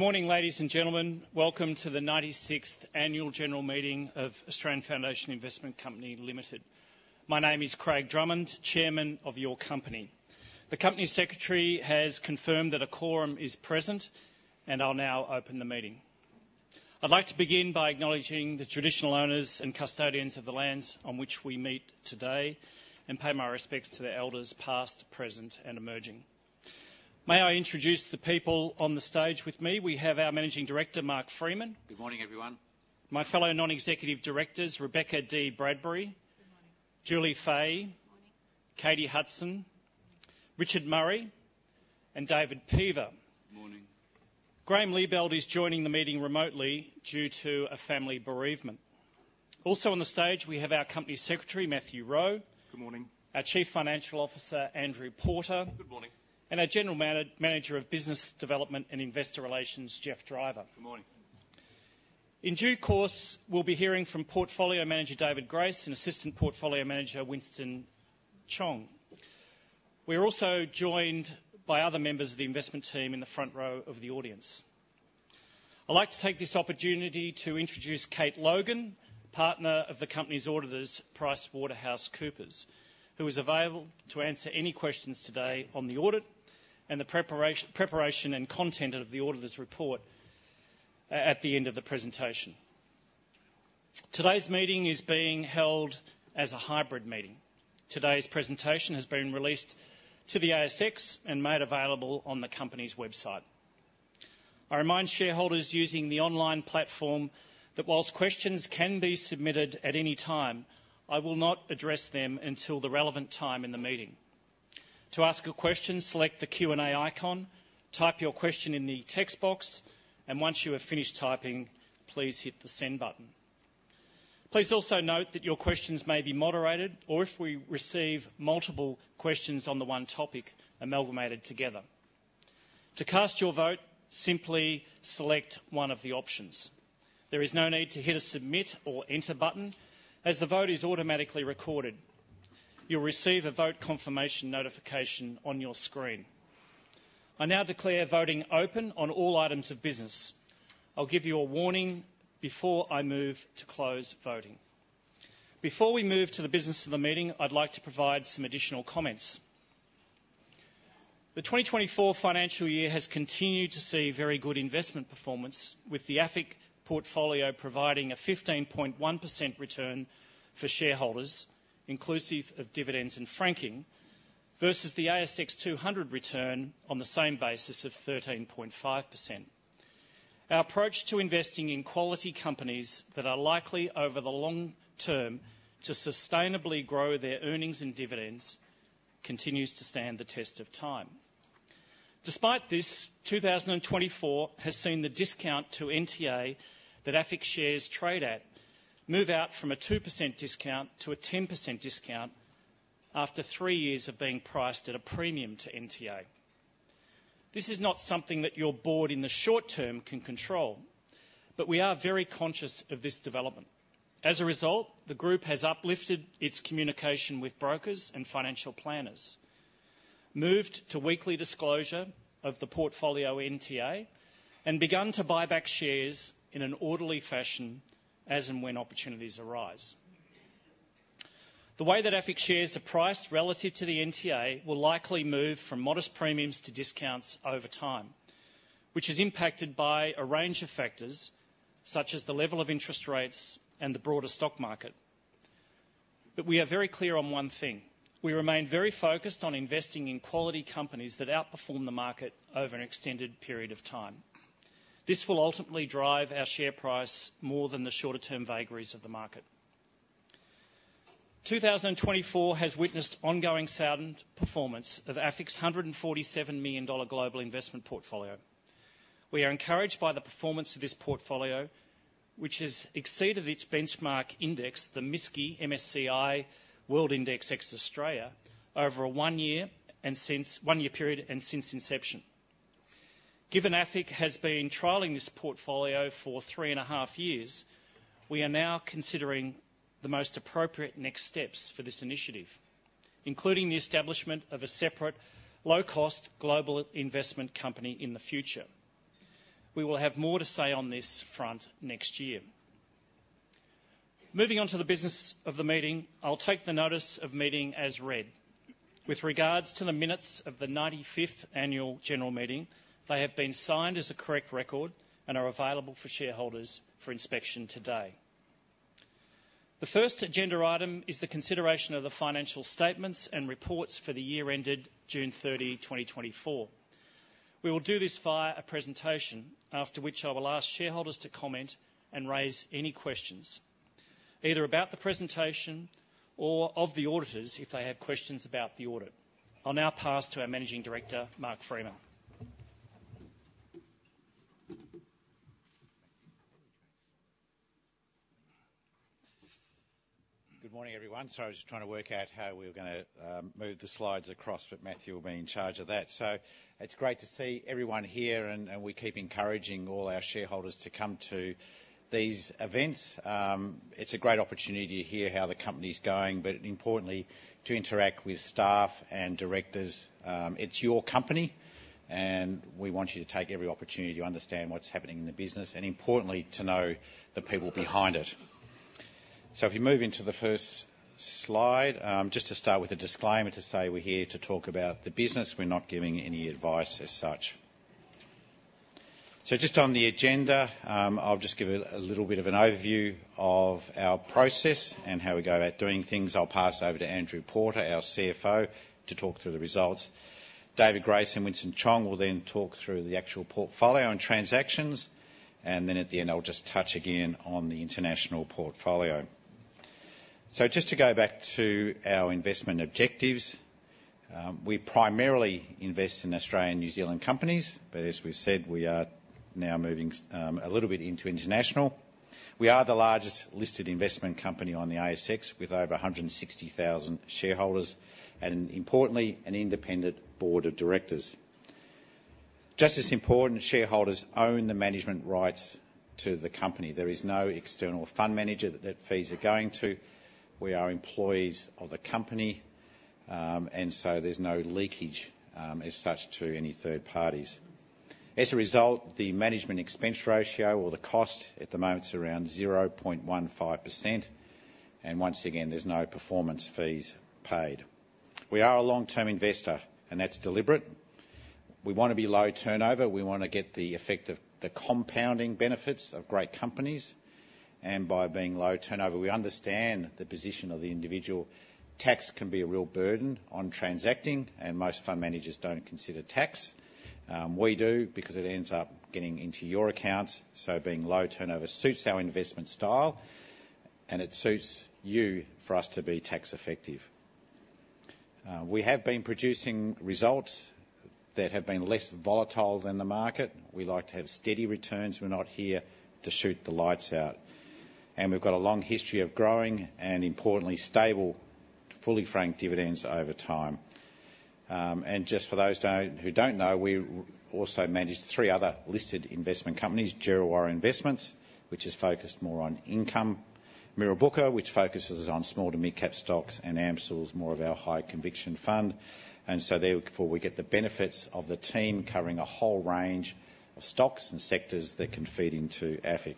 Good morning, ladies and gentlemen. Welcome to the ninety-sixth annual general meeting of Australian Foundation Investment Company Limited. My name is Craig Drummond, Chairman of your company. The company secretary has confirmed that a quorum is present, and I'll now open the meeting. I'd like to begin by acknowledging the traditional owners and custodians of the lands on which we meet today and pay my respects to the elders, past, present, and emerging. May I introduce the people on the stage with me? We have our Managing Director, Mark Freeman. Good morning, everyone. My fellow non-executive directors, Rebecca P. Dee-Bradbury. Julie Fay, Katie Hudson, Richard Murray, and David Peever. Good morning. Graha Liebelt is joining the meeting remotely due to a family bereavement. Also on the stage, we have our Company Secretary, Matthew Rowe. Good morning. Our Chief Financial Officer, Andrew Porter. Good morning. Our General Manager of Business Development and Investor Relations, Geoff Driver. Good morning. In due course, we'll be hearing from Portfolio Manager, David Grace, and Assistant Portfolio Manager, Winston Chong. We're also joined by other members of the investment team in the front row of the audience. I'd like to take this opportunity to introduce Kate Logan, partner of the company's auditors, PricewaterhouseCoopers, who is available to answer any questions today on the audit, and the preparation and content of the auditor's report at the end of the presentation. Today's meeting is being held as a hybrid meeting. Today's presentation has been released to the ASX and made available on the company's website. I remind shareholders using the online platform that whilst questions can be submitted at any time, I will not address them until the relevant time in the meeting. To ask a question, select the Q&A icon, type your question in the text box, and once you have finished typing, please hit the Send button. Please also note that your questions may be moderated or, if we receive multiple questions on the one topic, amalgamated together. To cast your vote, simply select one of the options. There is no need to hit a Submit or Enter button, as the vote is automatically recorded. You'll receive a vote confirmation notification on your screen. I now declare voting open on all items of business. I'll give you a warning before I move to close voting. Before we move to the business of the meeting, I'd like to provide some additional comments. The 2024 financial year has continued to see very good investment performance, with the AFIC portfolio providing a 15.1% return for shareholders, inclusive of dividends and franking, versus the ASX 200 return on the same basis of 13.5%. Our approach to investing in quality companies that are likely, over the long term, to sustainably grow their earnings and dividends, continues to stand the test of time. Despite this, 2024 has seen the discount to NTA that AFIC shares trade at, move out from a 2% discount to a 10% discount after three years of being priced at a premium to NTA. This is not something that your board, in the short term, can control, but we are very conscious of this development. As a result, the group has uplifted its communication with brokers and financial planners, moved to weekly disclosure of the portfolio NTA, and begun to buy back shares in an orderly fashion as and when opportunities arise. The way that AFIC shares are priced relative to the NTA will likely move from modest premiums to discounts over time, which is impacted by a range of factors, such as the level of interest rates and the broader stock market. We are very clear on one thing: We remain very focused on investing in quality companies that outperform the market over an extended period of time. This will ultimately drive our share price more than the shorter-term vagaries of the market. 2024 has witnessed ongoing sound performance of AFIC's 147 million global investment portfolio. We are encouraged by the performance of this portfolio, which has exceeded its benchmark index, the MSCI World Index ex Australia, over a one-year period and since inception. Given AFIC has been trialing this portfolio for three and a half years, we are now considering the most appropriate next steps for this initiative, including the establishment of a separate, low-cost global investment company in the future. We will have more to say on this front next year. Moving on to the business of the meeting, I'll take the notice of meeting as read. With regards to the minutes of the ninety-fifth annual general meeting, they have been signed as a correct record and are available for shareholders for inspection today. The first agenda item is the consideration of the financial statements and reports for the year ended June 30, 2024. We will do this via a presentation, after which I will ask shareholders to comment and raise any questions, either about the presentation or of the auditors if they have questions about the audit. I'll now pass to our Managing Director, Mark Freeman. Good morning, everyone. Sorry, I was just trying to work out how we were gonna move the slides across, but Matthew will be in charge of that. It's great to see everyone here, and we keep encouraging our shareholders to come to these events. It's a great opportunity to hear how the company's going, but importantly, to interact with staff and directors. It's your company, and we want you to take every opportunity to understand what's happening in the business, and importantly, to know the people behind it. So if you move into the first slide, just to start with a disclaimer to say we're here to talk about the business. We're not giving any advice as such. So just on the agenda, I'll just give a little bit of an overview of our process and how we go about doing things. I'll pass over to Andrew Porter, our CFO, to talk through the results. David Grace and Winston Chong will then talk through the actual portfolio and transactions, and then at the end, I'll just touch again on the international portfolio. Just to go back to our investment objectives, we primarily invest in Australian, New Zealand companies, but as we've said, we are now moving a little bit into international. We are the largest listed investment company on the ASX, with over a hundred and sixty thousand shareholders, and importantly, an independent board of directors. Just as important, shareholders own the management rights to the company. There is no external fund manager that fees are going to. We are employees of the company, and so there's no leakage, as such to any third parties. As a result, the management expense ratio or the cost at the moment is around 0.15%, and once again, there's no performance fees paid. We are a long-term investor, and that's deliberate. We wanna be low turnover. We wanna get the effect of the compounding benefits of great companies, and by being low turnover, we understand the position of the individual. Tax can be a real burden on transacting, and most fund managers don't consider tax. We do, because it ends up getting into your accounts, so being low turnover suits our investment style, and it suits you for us to be tax effective. We have been producing results that have been less volatile than the market. We like to have steady returns. We're not here to shoot the lights out. We've got a long history of growing, and importantly, stable, fully franked dividends over time. Just for those who don't know, we also manage three other listed investment companies, Djerriwarrh Investments, which is focused more on income; Mirrabooka, which focuses on small to mid-cap stocks; and AMCIL is more of our high conviction fund. And so therefore, we get the benefits of the team covering a whole range of stocks and sectors that can feed into AFIC.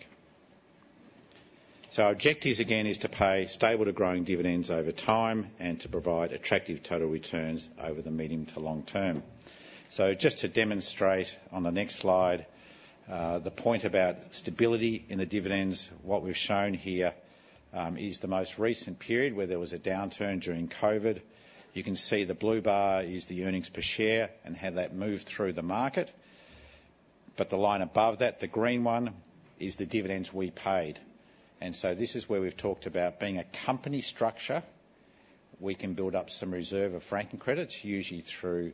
So our objectives, again, is to pay stable to growing dividends over time and to provide attractive total returns over the medium to long term. Just to demonstrate on the next slide, the point about stability in the dividends, what we've shown here, is the most recent period where there was a downturn during COVID. You can see the blue bar is the earnings per share and how that moved through the market, but the line above that, the green one, is the dividends we paid, and so this is where we've talked about being a company structure. We can build up some reserve of franking credits, usually through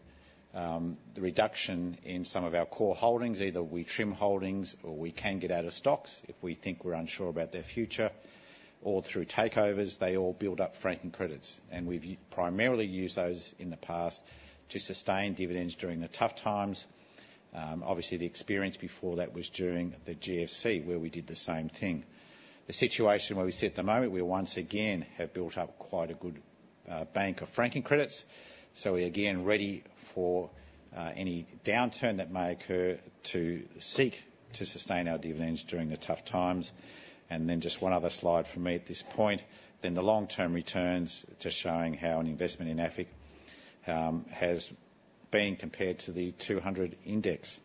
the reduction in some of our core holdings. Either we trim holdings, or we can get out of stocks if we think we're unsure about their future, or through takeovers, they all build up franking credits, and we've primarily used those in the past to sustain dividends during the tough times. Obviously, the experience before that was during the GFC, where we did the same thing. The situation where we sit at the moment, we once again have built up quite a good bank of franking credits, so we're again ready for any downturn that may occur to seek to sustain our dividends during the tough times. Then just one other slide from me at this point. Then the long-term returns, just showing how an investment in AFIC has been compared to the 200 index.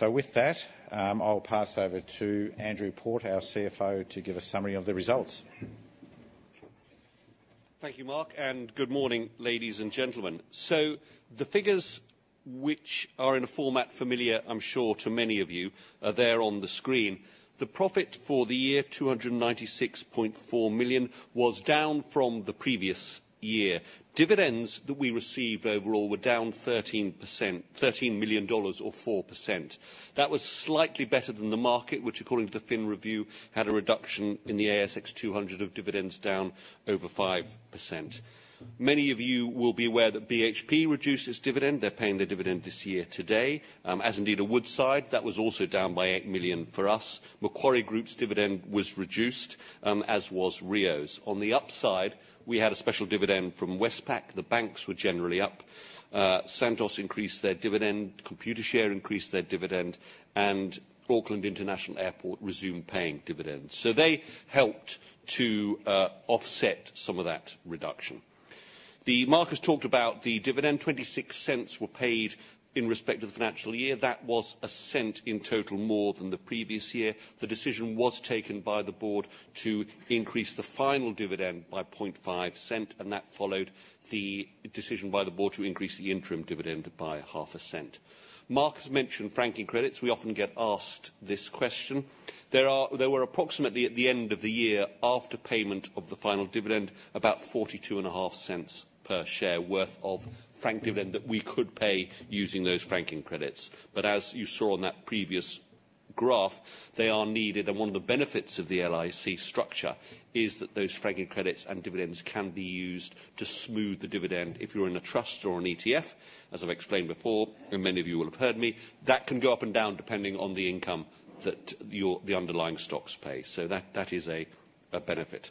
With that, I'll pass over to Andrew Porter, our CFO, to give a summary of the results. Thank you, Mark, and good morning, ladies and gentlemen. The figures, which are in a format familiar, I'm sure to many of you, are there on the screen. The profit for the year, 296.4 million, was down from the previous year. Dividends that we received overall were down 13%, 13 million dollars or 4%. That was slightly better than the market, which, according to the Fin Review, had a reduction in the ASX 200 of dividends down over 5%. Many of you will be aware that BHP reduced its dividend. They're paying their dividend this year today, as indeed are Woodside. That was also down by 8 million for us. Macquarie Group's dividend was reduced, as was Rio's. On the upside, we had a special dividend from Westpac. The banks were generally up. Santos increased their dividend, Computershare increased their dividend, and Auckland International Airport resumed paying dividends. So they helped to offset some of that reduction. Mark has talked about the dividend. 26 cents were paid in respect of the financial year. That was 1 cent in total more than the previous year. The decision was taken by the board to increase the final dividend by 0.5 cent, and that followed the decision by the board to increase the interim dividend by 0.5 cent. Mark has mentioned franking credits. We often get asked this question. There were approximately at the end of the year, after payment of the final dividend, about 42.5 cents per share worth of franked dividend that we could pay using those franking credits. As you saw on that previous slide... Graph, they are needed, and one of the benefits of the LIC structure is that those franking credits and dividends can be used to smooth the dividend. If you're in a trust or an ETF, as I've explained before, and many of you will have heard me, that can go up and down depending on the income that the underlying stocks pay. So that is a benefit.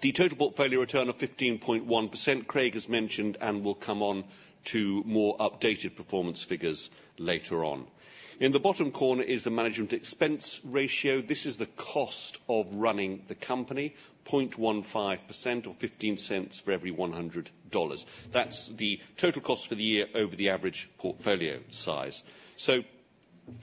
The total portfolio return of 15.1%, Craig has mentioned, and we'll come on to more updated performance figures later on. In the bottom corner is the management expense ratio. This is the cost of running the company, 0.15% or 15 cents for every 100 dollars. That's the total cost for the year over the average portfolio size. So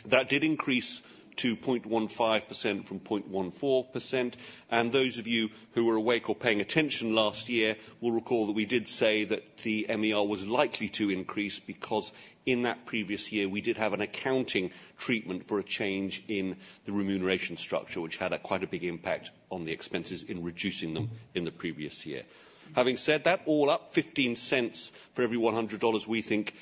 that did increase to 0.15% from 0.14%. Those of you who were awake or paying attention last year will recall that we did say that the MER was likely to increase, because in that previous year, we did have an accounting treatment for a change in the remuneration structure, which had quite a big impact on the expenses in reducing them in the previous year. Having said that, all up fifteen cents for every one hundred dollars, we think,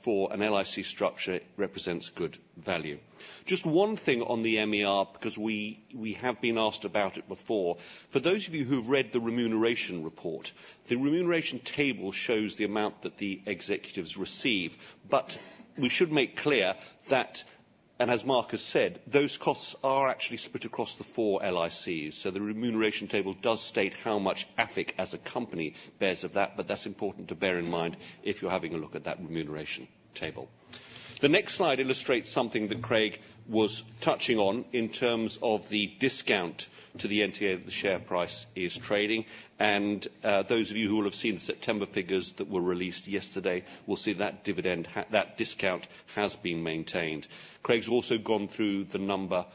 for an LIC structure, represents good value. Just one thing on the MER, because we have been asked about it before. For those of you who have read the remuneration report, the remuneration table shows the amount that the executives receive, but we should make clear that, and as Mark has said, those costs are actually split across the four LICs. The remuneration table does state how much AFIC, as a company, bears of that, but that's important to bear in mind if you're having a look at that remuneration table. The next slide illustrates something that Craig was touching on in terms of the discount to the NTA that the share price is trading. And, those of you who will have seen the September figures that were released yesterday will see that that discount has been maintained. Craig's also gone through the number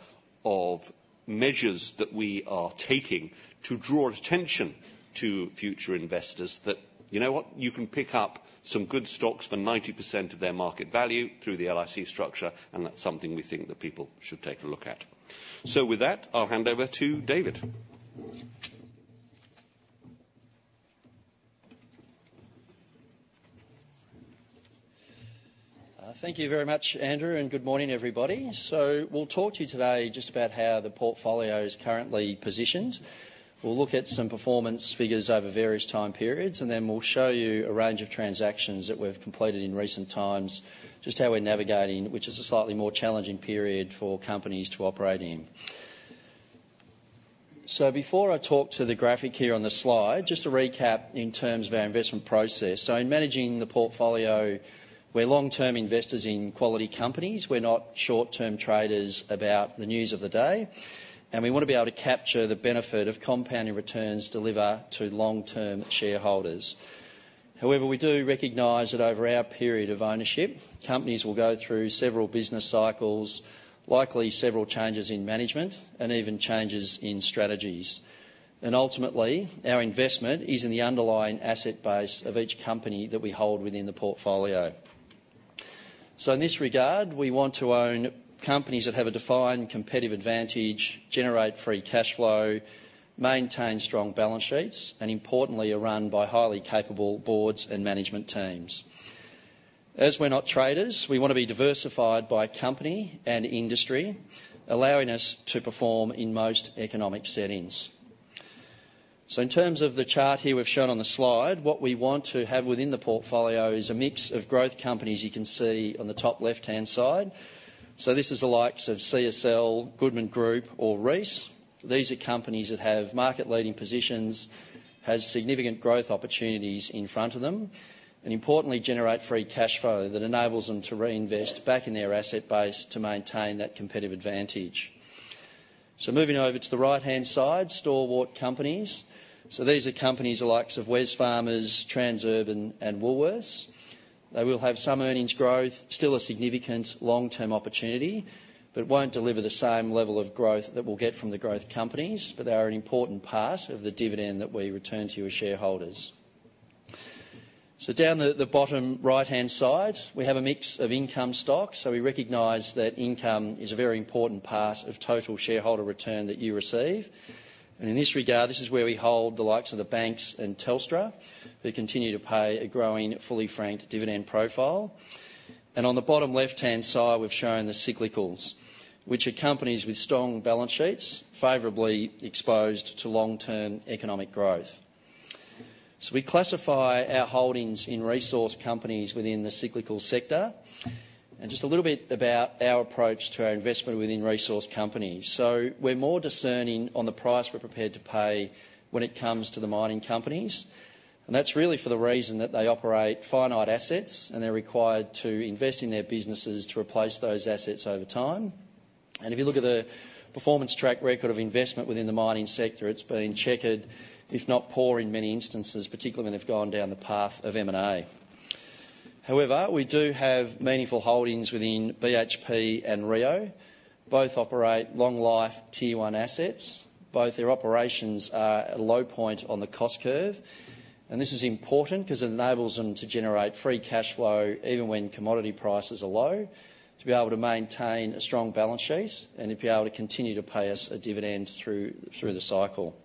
of measures that we are taking to draw attention to future investors that, what? You can pick up some good stocks for 90% of their market value through the LIC structure, and that's something we think that people should take a look at. With that, I'll hand over to David. Thank you very much, Andrew, and good morning, everybody. So we'll talk to you today just about how the portfolio is currently positioned. We'll look at some performance figures over various time periods, and then we'll show you a range of transactions that we've completed in recent times, just how we're navigating, which is a slightly more challenging period for companies to operate in. So before I talk to the graphic here on the slide, just to recap in terms of our investment process. So in managing the portfolio, we're long-term investors in quality companies. We're not short-term traders about the news of the day, and we want to be able to capture the benefit of compounding returns deliver to long-term shareholders. However, we do recognize that over our period of ownership, companies will go through several business cycles, likely several changes in management, and even changes in strategies. Ultimately, our investment is in the underlying asset base of each company that we hold within the portfolio. In this regard, we want to own companies that have a defined competitive advantage, generate free cash flow, maintain strong balance sheets, and importantly, are run by highly capable boards and management teams. As we're not traders, we want to be diversified by company and industry, allowing us to perform in most economic settings. In terms of the chart here we've shown on the slide, what we want to have within the portfolio is a mix of growth companies you can see on the top left-hand side. This is the likes of CSL, Goodman Group, or Reece. These are companies that have market-leading positions, have significant growth opportunities in front of them, and importantly, generate free cash flow that enables them to reinvest back in their asset base to maintain that competitive advantage. Moving over to the right-hand side, stalwart companies. These are companies the likes of Wesfarmers, Transurban, and Woolworths. They will have some earnings growth, still a significant long-term opportunity, but won't deliver the same level of growth that we'll get from the growth companies, but they are an important part of the dividend that we return to you as shareholders. Down the bottom right-hand side, we have a mix of income stocks. We recognize that income is a very important part of total shareholder return that you receive. In this regard, this is where we hold the likes of the banks and Telstra, who continue to pay a growing, fully franked dividend profile. On the bottom left-hand side, we've shown the cyclicals, which are companies with strong balance sheets, favorably exposed to long-term economic growth. We classify our holdings in resource companies within the cyclical sector. Just a little bit about our approach to our investment within resource companies. We're more discerning on the price we're prepared to pay when it comes to the mining companies, and that's really for the reason that they operate finite assets, and they're required to invest in their businesses to replace those assets over time. If you look at the performance track record of investment within the mining sector, it's been checkered, if not poor, in many instances, particularly when they've gone down the path of M&A. However, we do have meaningful holdings within BHP and Rio. Both operate long-life Tier 1 assets. Both their operations are at a low point on the cost curve. And this is important 'cause it enables them to generate free cash flow, even when commodity prices are low, to be able to maintain strong balance sheets and to be able to continue to pay us a dividend through, through the cycle.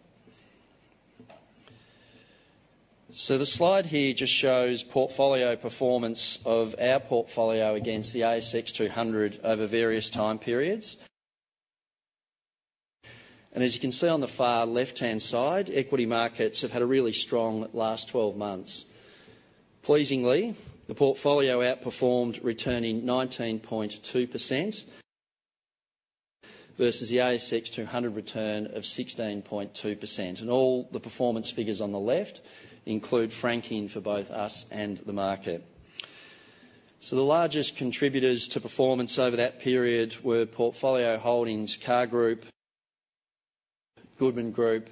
The slide here just shows portfolio performance of our portfolio against the ASX 200 over various time periods. As you can see on the far left-hand side, equity markets have had a really strong last twelve months. Pleasingly, the portfolio outperformed, returning 19.2% versus the ASX 200 return of 16.2%, and all the performance figures on the left include franking for both us and the market, so the largest contributors to performance over that period were portfolio holdings, CAR Group, Goodman Group,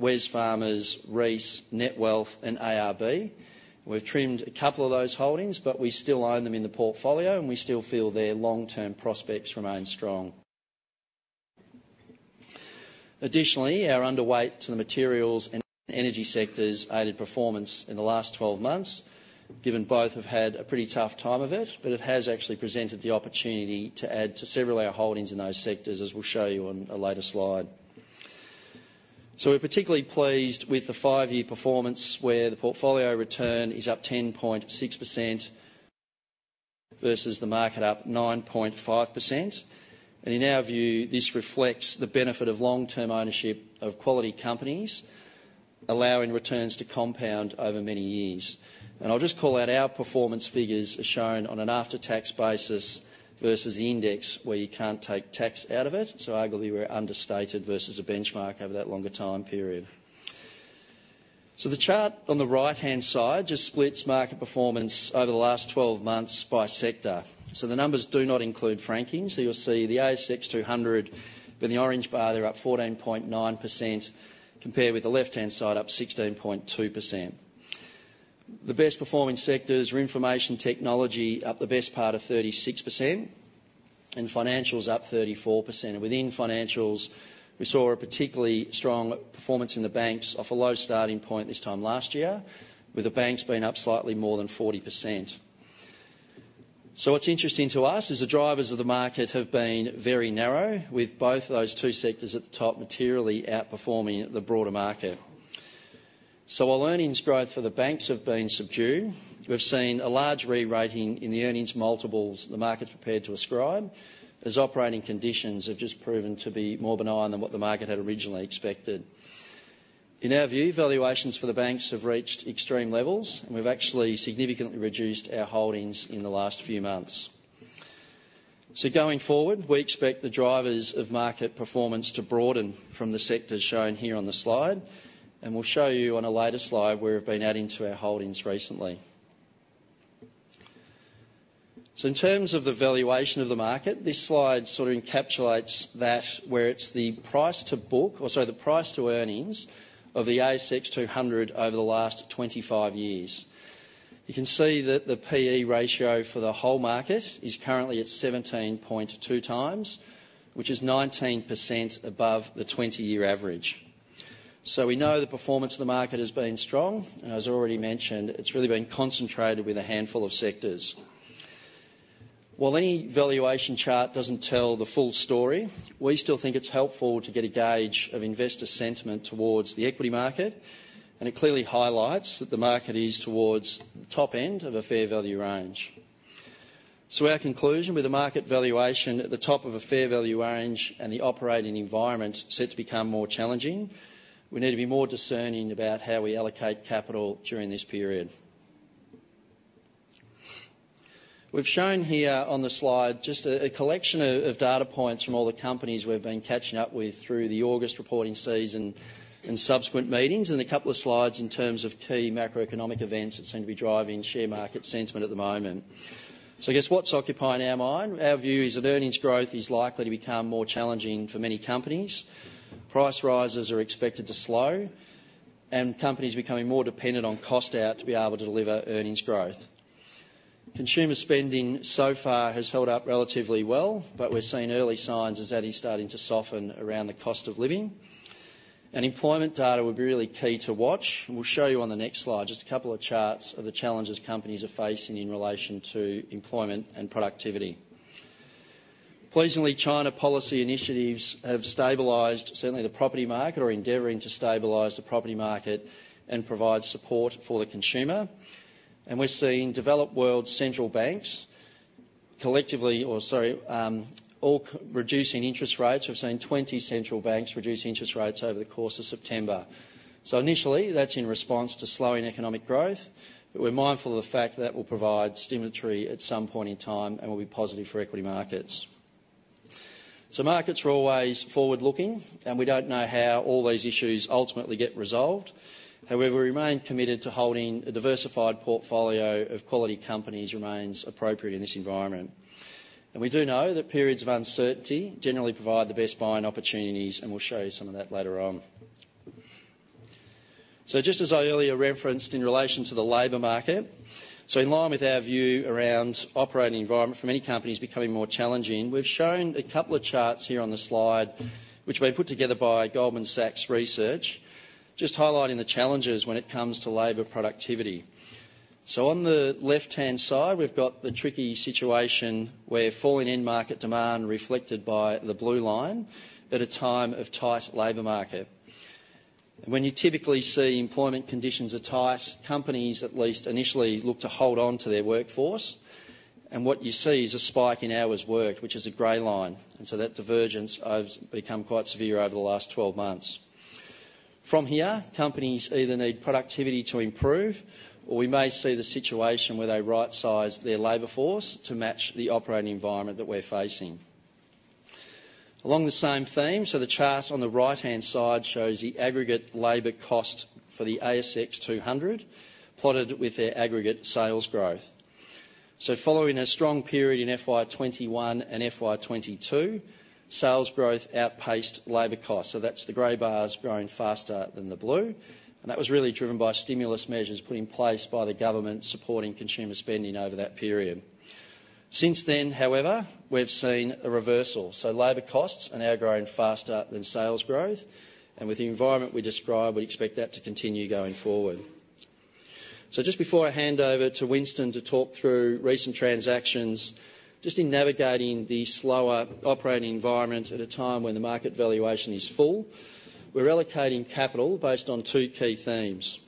Wesfarmers, Reece, Netwealth, and ARB. We've trimmed a couple of those holdings, but we still own them in the portfolio, and we still feel their long-term prospects remain strong. Additionally, our underweight to the materials and energy sectors aided performance in the last 12 months, given both have had a pretty tough time of it, but it has actually presented the opportunity to add to several of our holdings in those sectors, as we'll show you on a later slide. We're particularly pleased with the five-year performance, where the portfolio return is up 10.6% versus the market up 9.5%. In our view, this reflects the benefit of long-term ownership of quality companies, allowing returns to compound over many years. I'll just call out, our performance figures are shown on an after-tax basis versus the index, where you can't take tax out of it. Arguably, we're understated versus a benchmark over that longer time period. The chart on the right-hand side just splits market performance over the last 12 months by sector. The numbers do not include franking. You'll see the ASX 200 in the orange bar there, up 14.9%, compared with the left-hand side, up 16.2%. The best performing sectors were information technology, up the best part of 36%, and financials up 34%, and within financials, we saw a particularly strong performance in the banks off a low starting point this time last year, with the banks being up slightly more than 40%, so what's interesting to us is the drivers of the market have been very narrow, with both of those two sectors at the top materially outperforming the broader market, so while earnings growth for the banks have been subdued, we've seen a large rerating in the earnings multiples the market's prepared to ascribe, as operating conditions have just proven to be more benign than what the market had originally expected. In our view, valuations for the banks have reached extreme levels, and we've actually significantly reduced our holdings in the last few months. So going forward, we expect the drivers of market performance to broaden from the sectors shown here on the slide, and we'll show you on a later slide where we've been adding to our holdings recently. So in terms of the valuation of the market, this slide encapsulates that, where it's the price to book- or sorry, the price to earnings of the ASX 200 over the last 25 years. You can see that the P/E ratio for the whole market is currently at 17.2 times, which is 19% above the 20-year average. So we know the performance of the market has been strong, and as already mentioned, it's really been concentrated with a handful of sectors. While any valuation chart doesn't tell the full story, we still think it's helpful to get a gauge of investor sentiment towards the equity market, and it clearly highlights that the market is towards the top end of a fair value range. Our conclusion, with the market valuation at the top of a fair value range and the operating environment set to become more challenging, we need to be more discerning about how we allocate capital during this period. We've shown here on the slide just a collection of data points from all the companies we've been catching up with through the August reporting season and subsequent meetings, and a couple of slides in terms of key macroeconomic events that seem to be driving share market sentiment at the moment. What's occupying our mind? Our view is that earnings growth is likely to become more challenging for many companies. Price rises are expected to slow, and companies are becoming more dependent on cost out to be able to deliver earnings growth. Consumer spending so far has held up relatively well, but we're seeing early signs as that is starting to soften around the cost of living, and employment data will be really key to watch. And we'll show you on the next slide just a couple of charts of the challenges companies are facing in relation to employment and productivity. Pleasingly, China policy initiatives have stabilized, certainly the property market, or are endeavoring to stabilize the property market and provide support for the consumer. And we're seeing developed world central banks collectively, or sorry, all central banks reducing interest rates. We've seen 20 central banks reduce interest rates over the course of September. Initially, that's in response to slowing economic growth, but we're mindful of the fact that will provide stimulatory at some point in time and will be positive for equity markets. Markets are always forward-looking, and we don't know how all these issues ultimately get resolved. However, we remain committed to holding a diversified portfolio of quality companies remains appropriate in this environment. We do know that periods of uncertainty generally provide the best buying opportunities, and we'll show you some of that later on. Just as I earlier referenced in relation to the labor market, so in line with our view around operating environment for many companies becoming more challenging, we've shown a couple of charts here on the slide, which were put together by Goldman Sachs Research, just highlighting the challenges when it comes to labor productivity. On the left-hand side, we've got the tricky situation where falling end market demand reflected by the blue line at a time of tight labor market. When you typically see employment conditions are tight, companies, at least initially, look to hold on to their workforce, and what you see is a spike in hours worked, which is a gray line. That divergence has become quite severe over the last twelve months. From here, companies either need productivity to improve, or we may see the situation where they right-size their labor force to match the operating environment that we're facing. Along the same theme, the chart on the right-hand side shows the aggregate labor cost for the ASX 200, plotted with their aggregate sales growth. Following a strong period in FY 2021 and FY 2022, sales growth outpaced labor costs. That's the gray bars growing faster than the blue, and that was really driven by stimulus measures put in place by the government supporting consumer spending over that period. Since then, however, we've seen a reversal. Labor costs are now growing faster than sales growth, and with the environment we described, we expect that to continue going forward. Just before I hand over to Winston to talk through recent transactions, just in navigating the slower operating environment at a time when the market valuation is full, we're allocating capital based on two key themes.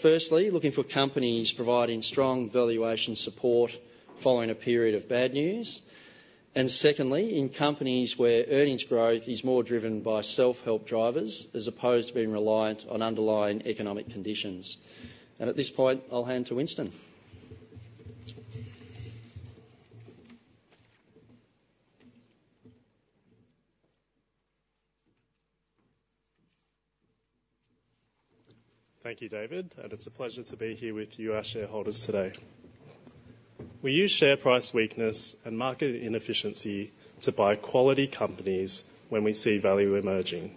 Firstly, looking for companies providing strong valuation support following a period of bad news. Secondly, in companies where earnings growth is more driven by self-help drivers, as opposed to being reliant on underlying economic conditions. At this point, I'll hand to Winston. Thank you, David, and it's a pleasure to be here with you, our shareholders, today. We use share price weakness and market inefficiency to buy quality companies when we see value emerging.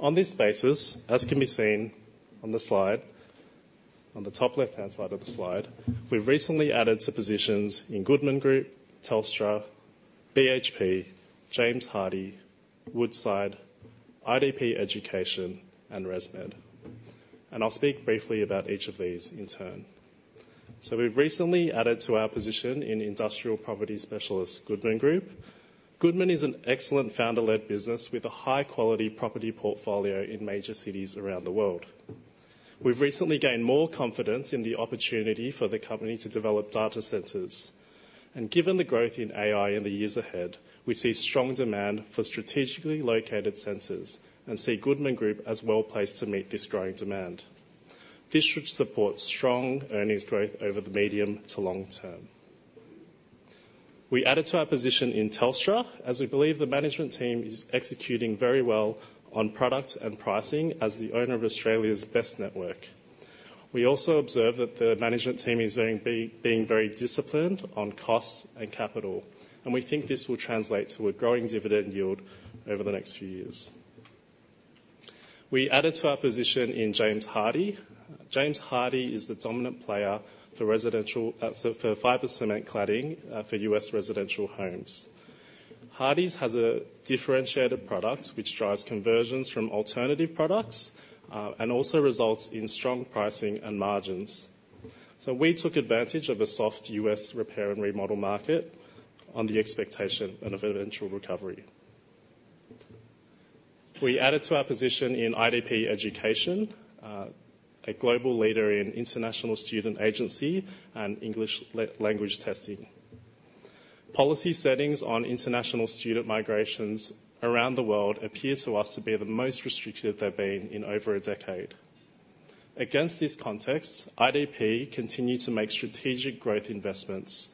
On this basis, as can be seen on the slide, on the top left-hand side of the slide, we've recently added to positions in Goodman Group, Telstra, BHP, James Hardie, Woodside, IDP Education, and ResMed. And I'll speak briefly about each of these in turn. So we've recently added to our position in industrial property specialist, Goodman Group. Goodman is an excellent founder-led business with a high-quality property portfolio in major cities around the world. We've recently gained more confidence in the opportunity for the company to develop data centers. Given the growth in AI in the years ahead, we see strong demand for strategically located centers, and see Goodman Group as well-placed to meet this growing demand. This should support strong earnings growth over the medium to long term. We added to our position in Telstra, as we believe the management team is executing very well on product and pricing as the owner of Australia's best network. We also observe that the management team is being very disciplined on cost and capital, and we think this will translate to a growing dividend yield over the next few years. We added to our position in James Hardie. James Hardie is the dominant player for residential, so for fiber cement cladding, for US residential homes. Hardie's has a differentiated product, which drives conversions from alternative products, and also results in strong pricing and margins. We took advantage of a soft U.S. repair and remodel market on the expectation of an eventual recovery. We added to our position in IDP Education, a global leader in international student agency and English language testing. Policy settings on international student migrations around the world appear to us to be the most restrictive they've been in over a decade. Against this context, IDP continued to make strategic growth investments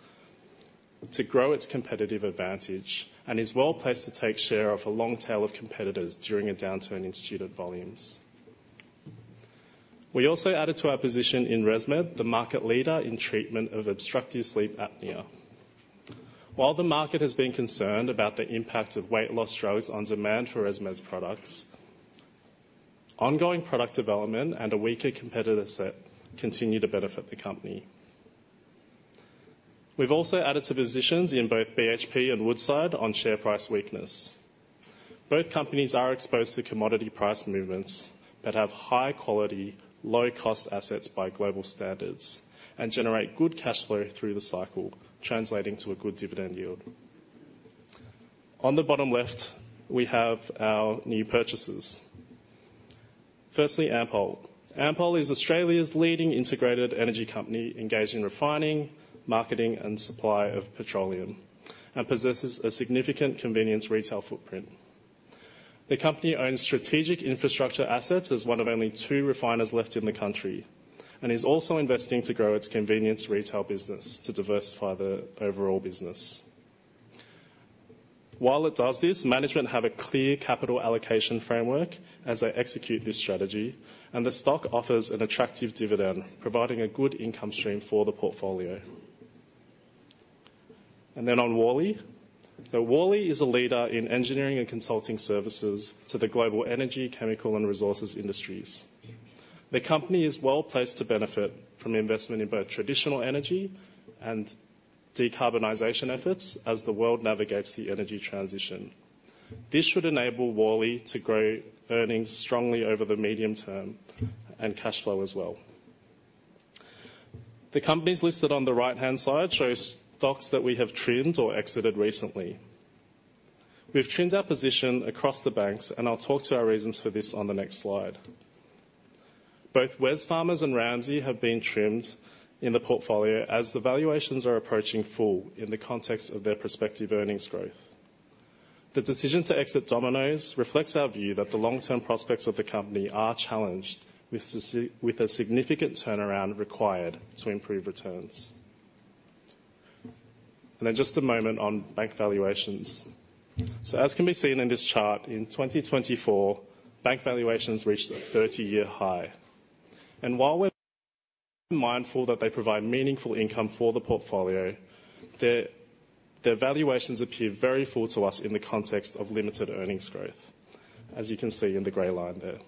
to grow its competitive advantage and is well placed to take share of a long tail of competitors during a downturn in student volumes. We also added to our position in ResMed, the market leader in treatment of obstructive sleep apnea. While the market has been concerned about the impact of weight loss drugs on demand for ResMed's products, ongoing product development and a weaker competitor set continue to benefit the company. We've also added to positions in both BHP and Woodside on share price weakness. Both companies are exposed to commodity price movements that have high quality, low cost assets by global standards and generate good cash flow through the cycle, translating to a good dividend yield. On the bottom left, we have our new purchases. Firstly, Ampol. Ampol is Australia's leading integrated energy company, engaged in refining, marketing, and supply of petroleum, and possesses a significant convenience retail footprint. The company owns strategic infrastructure assets as one of only two refiners left in the country, and is also investing to grow its convenience retail business to diversify the overall business. While it does this, management have a clear capital allocation framework as they execute this strategy, and the stock offers an attractive dividend, providing a good income stream for the portfolio. And then on Worley. Now, Worley is a leader in engineering and consulting services to the global energy, chemical, and resources industries. The company is well-placed to benefit from investment in both traditional energy and decarbonization efforts as the world navigates the energy transition. This should enable Worley to grow earnings strongly over the medium term, and cash flow as well. The companies listed on the right-hand side show stocks that we have trimmed or exited recently. We've trimmed our position across the banks, and I'll talk to our reasons for this on the next slide. Both Wesfarmers and Ramsay have been trimmed in the portfolio as the valuations are approaching full in the context of their prospective earnings growth. The decision to exit Domino's reflects our view that the long-term prospects of the company are challenged, with a significant turnaround required to improve returns. Then just a moment on bank valuations. As can be seen in this chart, in 2024, bank valuations reached a thirty-year high. While we're mindful that they provide meaningful income for the portfolio, their valuations appear very full to us in the context of limited earnings growth, as you can see in the gray line there.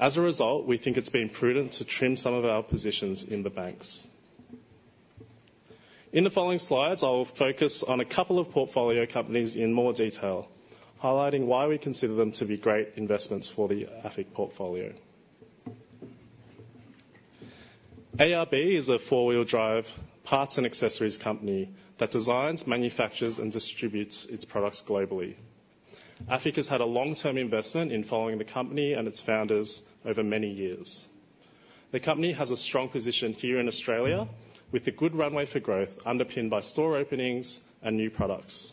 As a result, we think it's been prudent to trim some of our positions in the banks. In the following slides, I will focus on a couple of portfolio companies in more detail, highlighting why we consider them to be great investments for the AFIC portfolio. ARB is a four-wheel drive parts and accessories company that designs, manufactures, and distributes its products globally. AFIC has had a long-term investment in following the company and its founders over many years. The company has a strong position here in Australia, with a good runway for growth, underpinned by store openings and new products.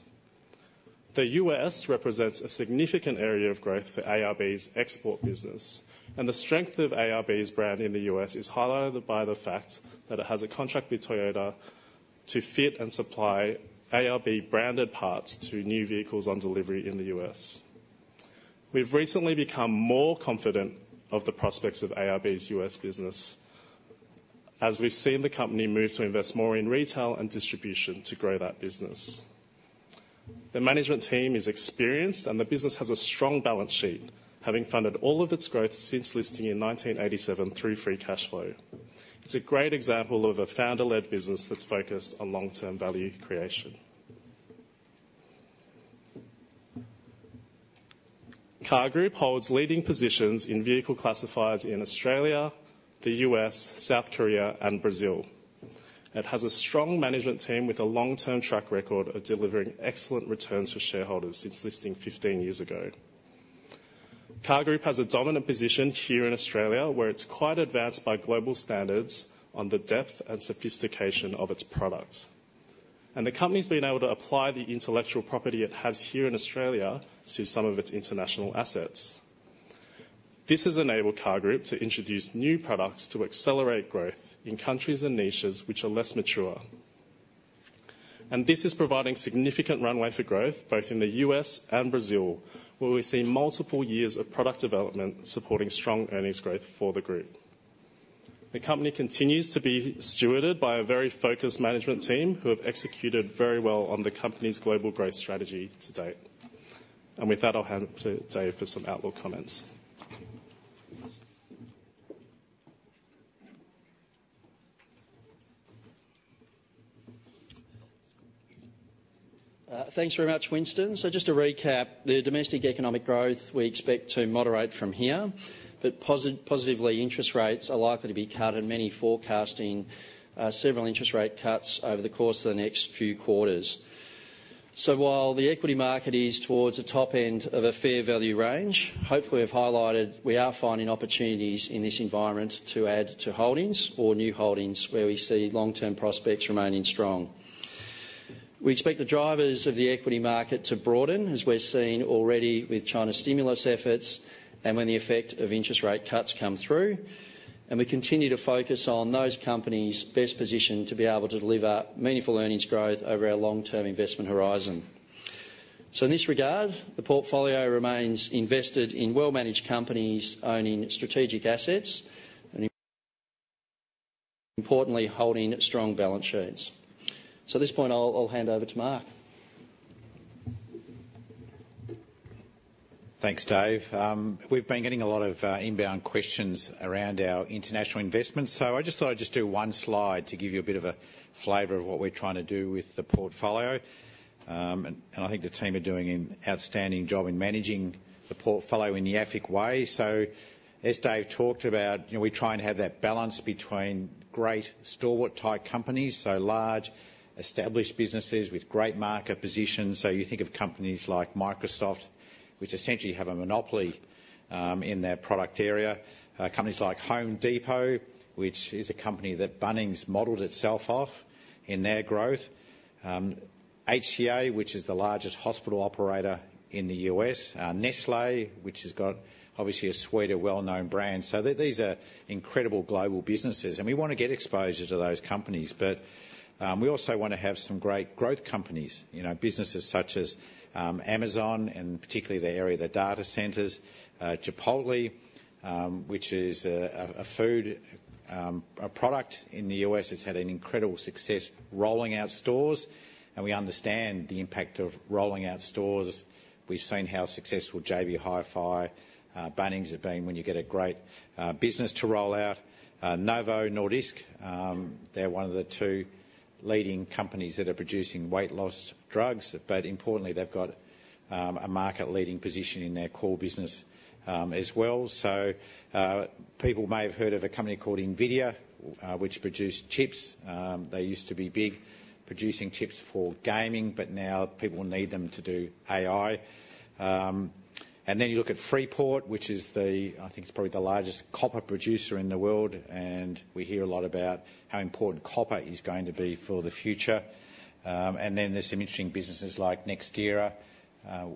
The U.S. represents a significant area of growth for ARB's export business, and the strength of ARB's brand in the U.S. is highlighted by the fact that it has a contract with Toyota to fit and supply ARB-branded parts to new vehicles on delivery in the U.S. We've recently become more confident of the prospects of ARB's U.S. business, as we've seen the company move to invest more in retail and distribution to grow that business. The management team is experienced, and the business has a strong balance sheet, having funded all of its growth since listing in nineteen eighty-seven through free cash flow. It's a great example of a founder-led business that's focused on long-term value creation. CAR Group holds leading positions in vehicle classifiers in Australia, the U.S., South Korea, and Brazil. It has a strong management team with a long-term track record of delivering excellent returns for shareholders since listing fifteen years ago. CAR Group has a dominant position here in Australia, where it's quite advanced by global standards on the depth and sophistication of its product, and the company's been able to apply the intellectual property it has here in Australia to some of its international assets. This has enabled CAR Group to introduce new products to accelerate growth in countries and niches which are less mature, and this is providing significant runway for growth, both in the U.S. and Brazil, where we see multiple years of product development supporting strong earnings growth for the group. The company continues to be stewarded by a very focused management team, who have executed very well on the company's global growth strategy to date. With that, I'll hand it to Dave for some outlook comments. Thanks very much, Winston. Just to recap, the domestic economic growth, we expect to moderate from here, but positively, interest rates are likely to be cut, and many forecasters several interest rate cuts over the course of the next few quarters. While the equity market is towards the top end of a fair value range, hopefully we've highlighted we are finding opportunities in this environment to add to holdings or new holdings, where we see long-term prospects remaining strong. We expect the drivers of the equity market to broaden, as we're seeing already with China's stimulus efforts and when the effect of interest rate cuts come through, and we continue to focus on those companies best positioned to be able to deliver meaningful earnings growth over our long-term investment horizon. In this regard, the portfolio remains invested in well-managed companies owning strategic assets and, importantly, holding strong balance sheets. At this point, I'll hand over to Mark. Thanks, Dave. We've been getting a lot of inbound questions around our international investments, so I just thought I'd just do one slide to give you a bit of a flavor of what we're trying to do with the portfolio. And I think the team are doing an outstanding job in managing the portfolio in the AFIC way. As Dave talked about we try and have that balance between great stalwart-type companies, so large, established businesses with great market positions. You think of companies like Microsoft, which essentially have a monopoly in their product area. Companies like Home Depot, which is a company that Bunnings modeled itself off in their growth. HCA, which is the largest hospital operator in the U.S. Nestlé, which has got obviously a suite of well-known brands. These are incredible global businesses, and we want to get exposure to those companies. We also want to have some great growth companies businesses such as Amazon, and particularly the area of the data centers. Chipotle, which is a food product in the US, it's had an incredible success rolling out stores, and we understand the impact of rolling out stores. We've seen how successful JB Hi-Fi, Bunnings have been when you get a great, business to roll out. Novo Nordisk, they're one of the two leading companies that are producing weight loss drugs, but importantly, they've got, a market-leading position in their core business, as well. So, people may have heard of a company called NVIDIA, which produce chips. They used to be big, producing chips for gaming, but now people need them to do AI. And then you look at Freeport, which is. I think, it's probably the largest copper producer in the world, and we hear a lot about how important copper is going to be for the future. Then there's some interesting businesses like NextEra,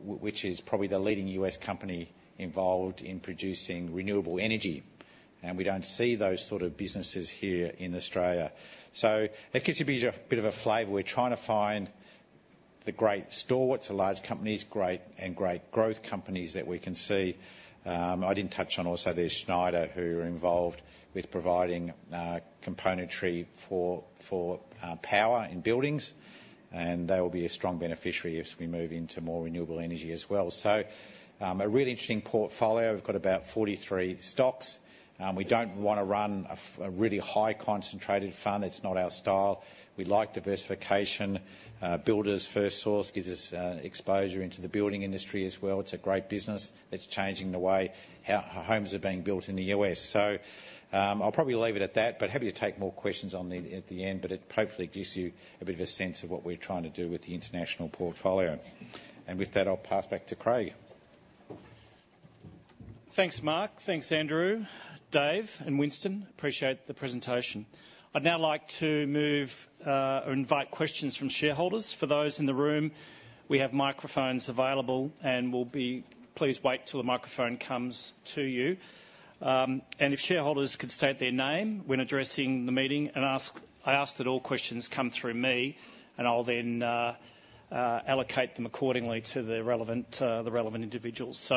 which is probably the leading U.S. company involved in producing renewable energy, and we don't see those businesses here in Australia, so that gives you a bit of a flavor. We're trying to find the great store. What are large companies, great, and great growth companies that we can see? I didn't touch on. Also, there's Schneider, who are involved with providing componentry for power in buildings, and they will be a strong beneficiary as we move into more renewable energy as well, so a really interesting portfolio. We've got about 43 stocks. We don't wanna run a really high, concentrated fund. It's not our style. We like diversification. Builders FirstSource gives us exposure into the building industry as well. It's a great business. It's changing the way how homes are being built in the U.S. I'll probably leave it at that, but happy to take more questions on the, at the end, but it hopefully gives you a bit of a sense of what we're trying to do with the international portfolio. With that, I'll pass back to Craig. Thanks, Mark. Thanks, Andrew, Dave, and Winston. Appreciate the presentation. I'd now like to move or invite questions from shareholders. For those in the room, we have microphones available, and we'll be... Please wait till a microphone comes to you. If shareholders could state their name when addressing the meeting. I ask that all questions come through me, and I'll then allocate them accordingly to the relevant individuals.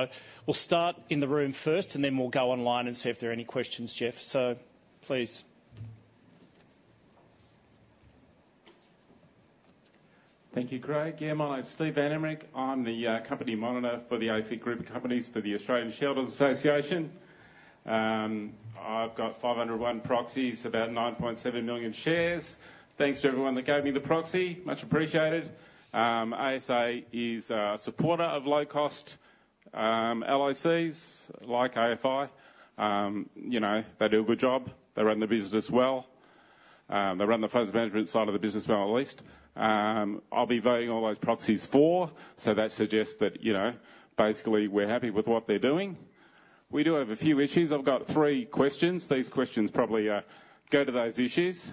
We'll start in the room first, and then we'll go online and see if there are any questions, Jeff. So please. Thank you, Craig. Yeah, my name's Steve Van Emrik. I'm the company monitor for the AFIC Group of Companies for the Australian Shareholders' Association. I've got 501 proxies, about 9.7 million shares. Thanks to everyone that gave me the proxy, much appreciated. ASA is a supporter of low cost LICs, like AFI. They do a good job. They run the business well. They run the funds management side of the business well, at least. I'll be voting all those proxies for, so that suggests that basically, we're happy with what they're doing. We do have a few issues. I've got three questions. These questions probably go to those issues.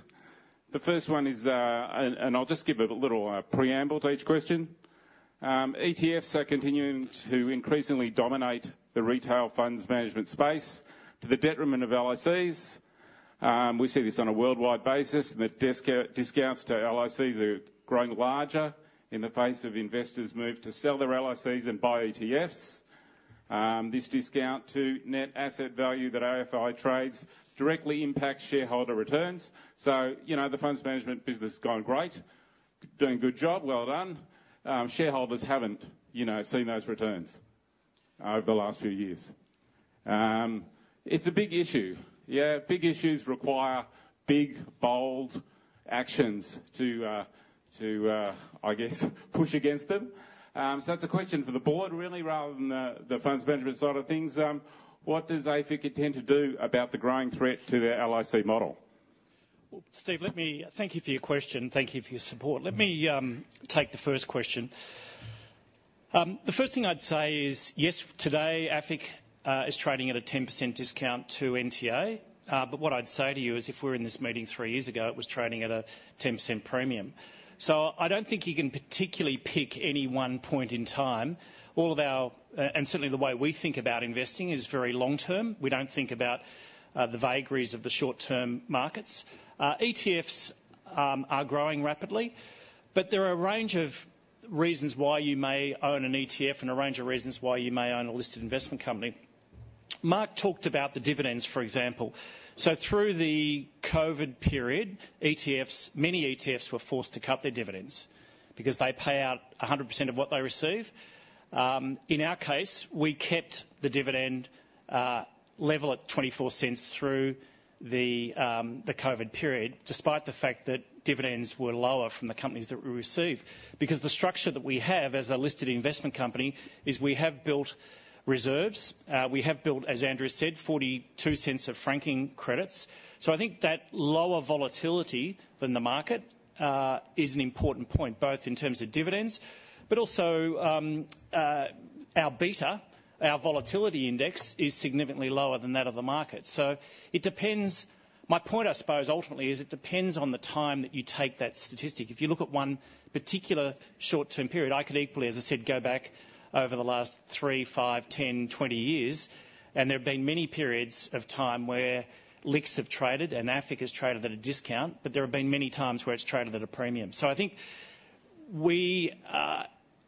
The first one is, and I'll just give a little preamble to each question. ETFs are continuing to increasingly dominate the retail funds management space to the detriment of LICs. We see this on a worldwide basis, and the discounts to LICs are growing larger in the face of investors' move to sell their LICs and buy ETFs. This discount to net asset value that AFIC trades directly impacts shareholder returns. The funds management business has gone great, doing a good job. Well done. Shareholders haven't seen those returns over the last few years. It's a big issue. Yeah, big issues require big, bold actions to push against them. That's a question for the board, really, rather than the funds management side of things. What does AFIC intend to do about the growing threat to the LIC model? Well, Steve, thank you for your question. Thank you for your support. Let me take the first question. The first thing I'd say is, yes, today, AFIC is trading at a 10% discount to NTA. What I'd say to you is, if we were in this meeting three years ago, it was trading at a 10% premium. So I don't think you can particularly pick any one point in time. All of our and certainly the way we think about investing is very long term. We don't think about the vagaries of the short-term markets. ETFs are growing rapidly, but there are a range of reasons why you may own an ETF and a range of reasons why you may own a listed investment company. Mark talked about the dividends, for example. Through the COVID period, ETFs, many ETFs were forced to cut their dividends because they pay out 100% of what they receive. In our case, we kept the dividend level at 0.24 through the COVID period, despite the fact that dividends were lower from the companies that we receive. The structure that we have as a listed investment company is we have built reserves. We have built, as Andrew said, 0.42 of franking credits. I think that lower volatility than the market is an important point, both in terms of dividends, but also, our beta, our volatility index, is significantly lower than that of the market. It depends. My point, I suppose, ultimately, is it depends on the time that you take that statistic. If you look at one particular short-term period, I could equally, as I said, go back over the last three, five, 10, 20 years, and there have been many periods of time where LICs have traded, and AFIC has traded at a discount, but there have been many times where it's traded at a premium. I think we,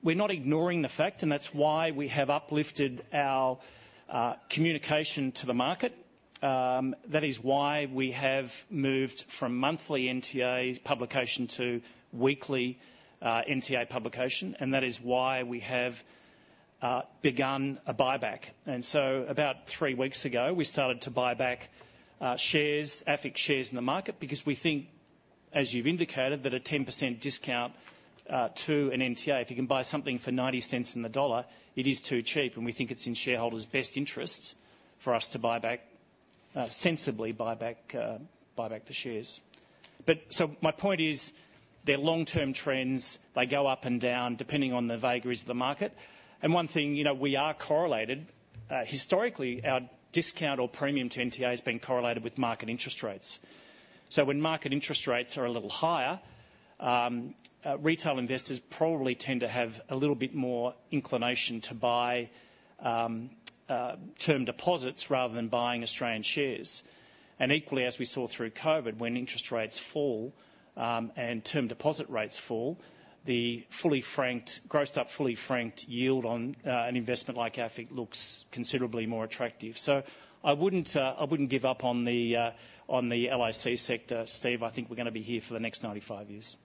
we're not ignoring the fact, and that's why we have uplifted our, communication to the market. That is why we have moved from monthly NTA publication to weekly NTA publication, and that is why we have begun a buyback. So about three weeks ago, we started to buy back shares, AFIC shares in the market, because we think, as you've indicated, that a 10% discount to an NTA, if you can buy something for ninety cents on the dollar, it is too cheap, and we think it's in shareholders' best interests for us to sensibly buy back the shares. My point is, they're long-term trends. They go up and down, depending on the vagaries of the market. One thing we are correlated. Historically, our discount or premium to NTA has been correlated with market interest rates. When market interest rates are a little higher, retail investors probably tend to have a little bit more inclination to buy term deposits rather than buying Australian shares. Equally, as we saw through COVID, when interest rates fall and term deposit rates fall, the fully franked, grossed up, fully franked yield on an investment like AFIC looks considerably more attractive. I wouldn't give up on the LIC sector, Steve. I think we're gonna be here for the next 95 years.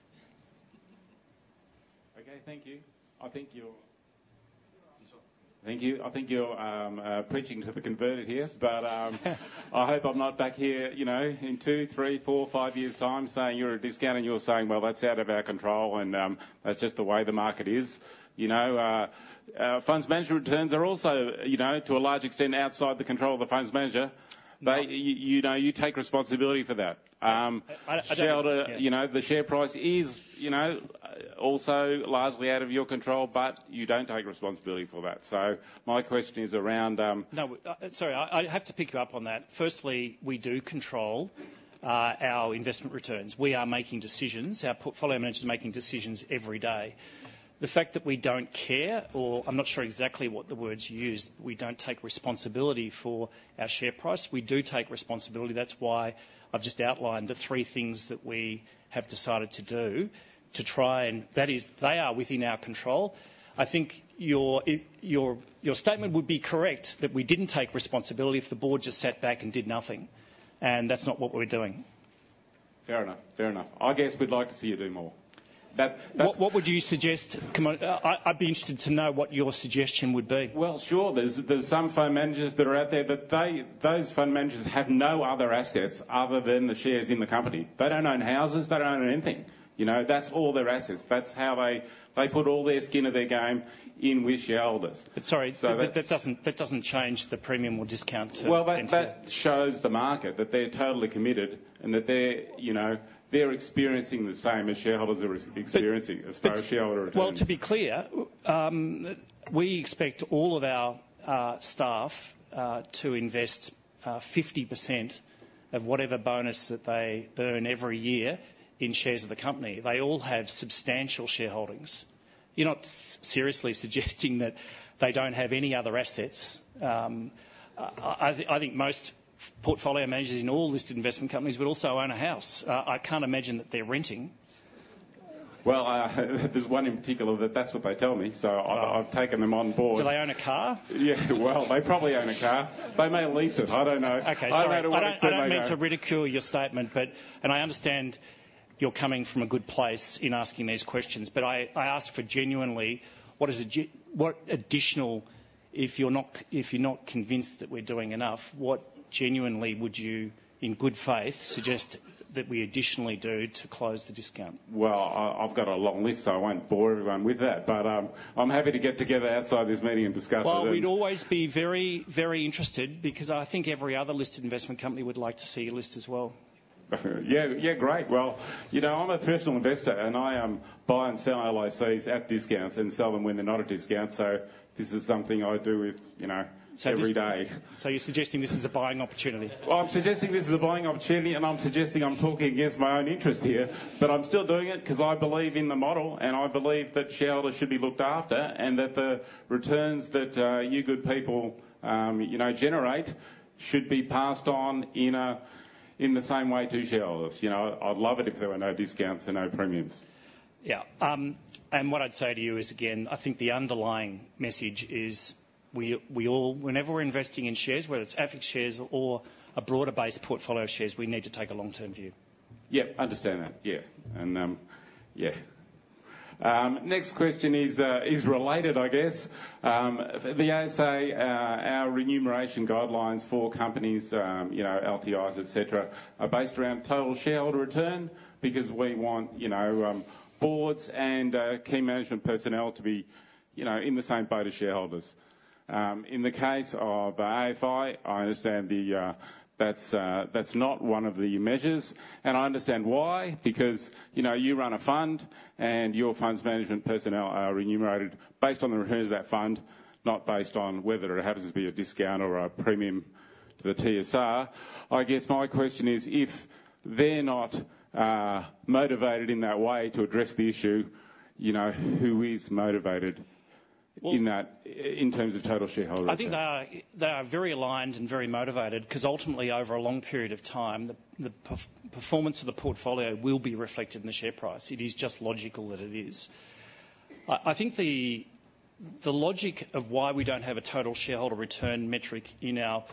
Okay, thank you. I think you're preaching to the converted here, but I hope I'm not back here in two, three, four, five years' time, saying, "You're at a discount," and you're saying, "Well, that's out of our control, and that's just the way the market is." Funds management returns are also to a large extent, outside the control of the funds manager you take responsibility for that. The share price is also largely out of your control, but you don't take responsibility for that. My question is around. No, sorry, I have to pick you up on that. Firstly, we do control our investment returns. We are making decisions. Our portfolio manager is making decisions every day. The fact that we don't care, or I'm not sure exactly what the words you used, we don't take responsibility for our share price. We do take responsibility. That's why I've just outlined the three things that we have decided to do to try and that is, they are within our control. I think your statement would be correct, that we didn't take responsibility, if the board just sat back and did nothing, and that's not what we're doing. Fair enough. Fair enough. I guess we'd like to see you do more. That what would you suggest? Come on, I, I'd be interested to know what your suggestion would be there are some fund managers that are out there, those fund managers have no other assets other than the shares in the company. They don't own houses, they don't own anything. That's all their assets. That's how they put all their skin in their game in with shareholders. Sorry that doesn't change the premium or discount to NTA. That shows the market that they're totally committed, and that they're experiencing the same as shareholders are experiencing as shareholder return. To be clear, we expect all of our staff to invest 50% of whatever bonus that they earn every year in shares of the company. They all have substantial shareholdings. You're not seriously suggesting that they don't have any other assets? I think most portfolio managers in all listed investment companies would also own a house. I can't imagine that they're renting. There's one in particular that's what they tell me, so I've taken them on board. Do they own a car? Yeah, well, they probably own a car. They may lease it. I don't know. Okay, sorry. I don't know to what extent they own. I don't mean to ridicule your statement, but. I understand you're coming from a good place in asking these questions, but I ask you genuinely, what additional, if you're not convinced that we're doing enough, what genuinely would you, in good faith, suggest that we additionally do to close the discount? I've got a long list, so I won't bore everyone with that. I'm happy to get together outside this meeting and discuss it. We'd always be very, very interested, because I think every other listed investment company would like to see a list as well. Great. Well I'm a professional investor, and I buy and sell LICs at discounts and sell them when they're not at discount, so this is something I do with every day. You're suggesting this is a buying opportunity? I'm suggesting this is a buying opportunity, and I'm suggesting I'm talking against my own interest here, but I'm still doing it because I believe in the model, and I believe that shareholders should be looked after, and that the returns that you good people generate should be passed on in the same way to shareholders. I'd love it if there were no discounts and no premiums. What I'd say to you is, again, I think the underlying message is we all. Whenever we're investing in shares, whether it's AFIC shares or a broader-based portfolio of shares, we need to take a long-term view. Yeah, understand that. Yeah. Next question is related, I guess. The ASA, our remuneration guidelines for companies LTIs, et cetera, are based around total shareholder return because we want boards and key management personnel to be in the same boat as shareholders. In the case of AFIC, I understand that's not one of the measures. I understand why, because you run a fund, and your funds management personnel are remunerated based on the returns of that fund, not based on whether it happens to be a discount or a premium to the TSR. I guess my question is, if they're not motivated in that way to address the issue, who is motivated in terms of total shareholder? I think they are, they are very aligned and very motivated, because ultimately, over a long period of time, the performance of the portfolio will be reflected in the share price. It is just logical that it is. I think the logic of why we don't have a total shareholder return metric in our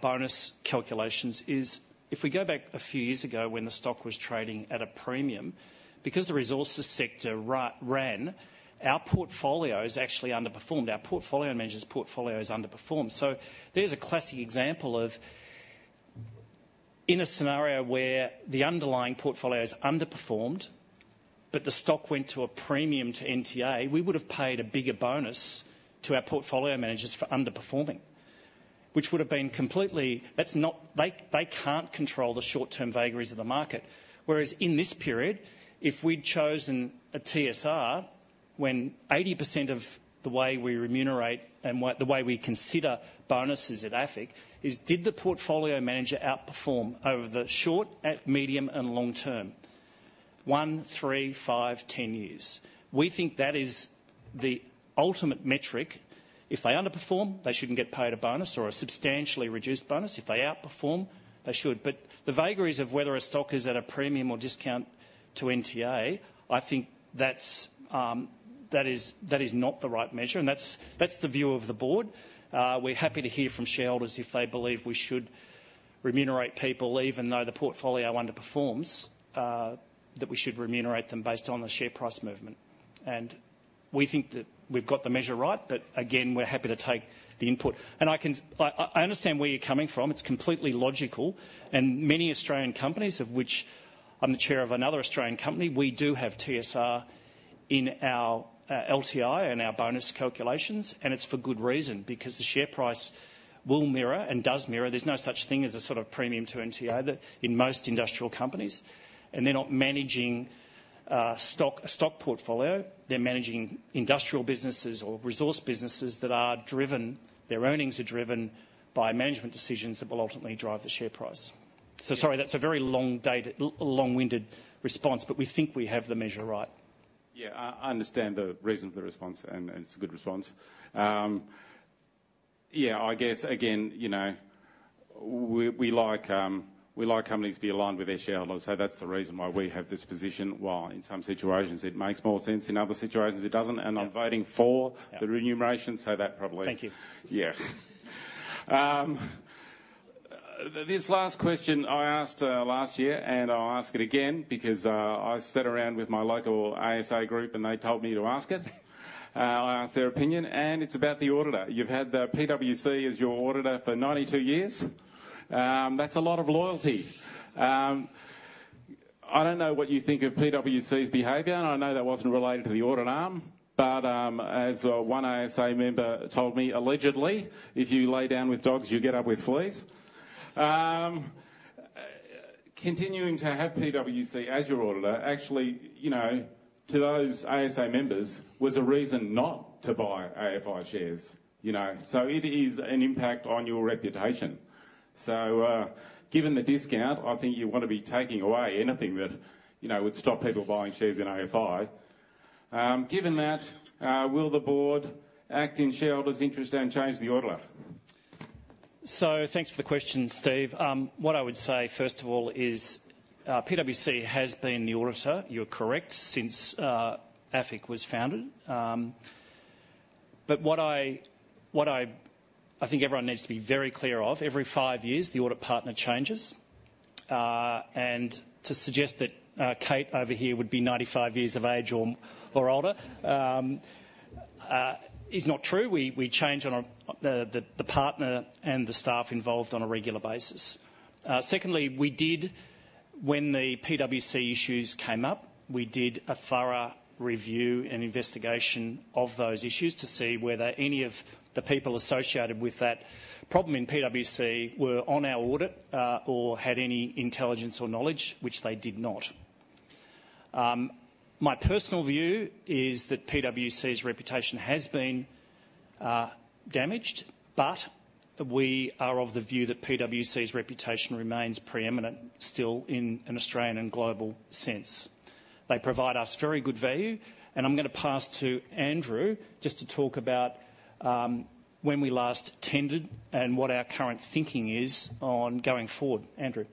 bonus calculations is, if we go back a few years ago when the stock was trading at a premium, because the resources sector ran, our portfolios actually underperformed. Our portfolio managers' portfolios underperformed. There's a classic example of, in a scenario where the underlying portfolio is underperformed, but the stock went to a premium to NTA, we would have paid a bigger bonus to our portfolio managers for underperforming, which would have been completely. That's not. They can't control the short-term vagaries of the market. Whereas in this period, if we'd chosen a TSR, when 80% of the way we remunerate and what, the way we consider bonuses at AFIC, is did the portfolio manager outperform over the short, at medium, and long term? One, three, five, ten years. We think that is the ultimate metric. If they underperform, they shouldn't get paid a bonus or a substantially reduced bonus. If they outperform, they should. The vagaries of whether a stock is at a premium or discount to NTA, I think that's, that is, that is not the right measure, and that's, that's the view of the board. We're happy to hear from shareholders if they believe we should remunerate people, even though the portfolio underperforms, that we should remunerate them based on the share price movement. We think that we've got the measure right, but again, we're happy to take the input. I understand where you're coming from. It's completely logical, and many Australian companies, of which I'm the chair of another Australian company, we do have TSR in our LTI and our bonus calculations, and it's for good reason, because the share price will mirror and does mirror. There's no such thing as a premium to NTA that in most industrial companies, and they're not managing stock portfolio, they're managing industrial businesses or resource businesses that are driven, their earnings are driven by management decisions that will ultimately drive the share price. Sorry, that's a very long-winded response, but we think we have the measure right. Yeah, I understand the reason for the response, and it's a good response. Yeah, I guess again we like companies to be aligned with their shareholders, so that's the reason why we have this position. Why in some situations it makes more sense, in other situations, it doesn't I'm voting for the remuneration that probably Thank you. This last question I asked last year, and I'll ask it again because I sat around with my local ASA group, and they told me to ask it. I asked their opinion, and it's about the auditor. You've had PwC as your auditor for 92 years. That's a lot of loyalty. I don't know what you think of PwC's behavior, and I know that wasn't related to the audit arm, but as one ASA member told me, allegedly, "If you lay down with dogs, you get up with fleas." Continuing to have PwC as your auditor actually to those ASA members, was a reason not to buy AFIC shares so it is an impact on your reputation. Given the discount, I think you want to be taking away anything that would stop people buying shares in AFIC. Given that, will the board act in shareholders' interest and change the auditor? Thanks for the question, Steve. What I would say, first of all, is PwC has been the auditor, you're correct, since AFIC was founded. What I think everyone needs to be very clear of, every five years, the audit partner changes. To suggest that Kate over here would be 95 years of age or older is not true. We change the partner and the staff involved on a regular basis. Secondly, when the PwC issues came up, we did a thorough review and investigation of those issues to see whether any of the people associated with that problem in PwC were on our audit or had any intelligence or knowledge, which they did not. My personal view is that PwC's reputation has been damaged, but we are of the view that PwC's reputation remains preeminent still in an Australian and global sense. They provide us very good value, and I'm going to pass to Andrew just to talk about when we last tendered and what our current thinking is on going forward. Andrew?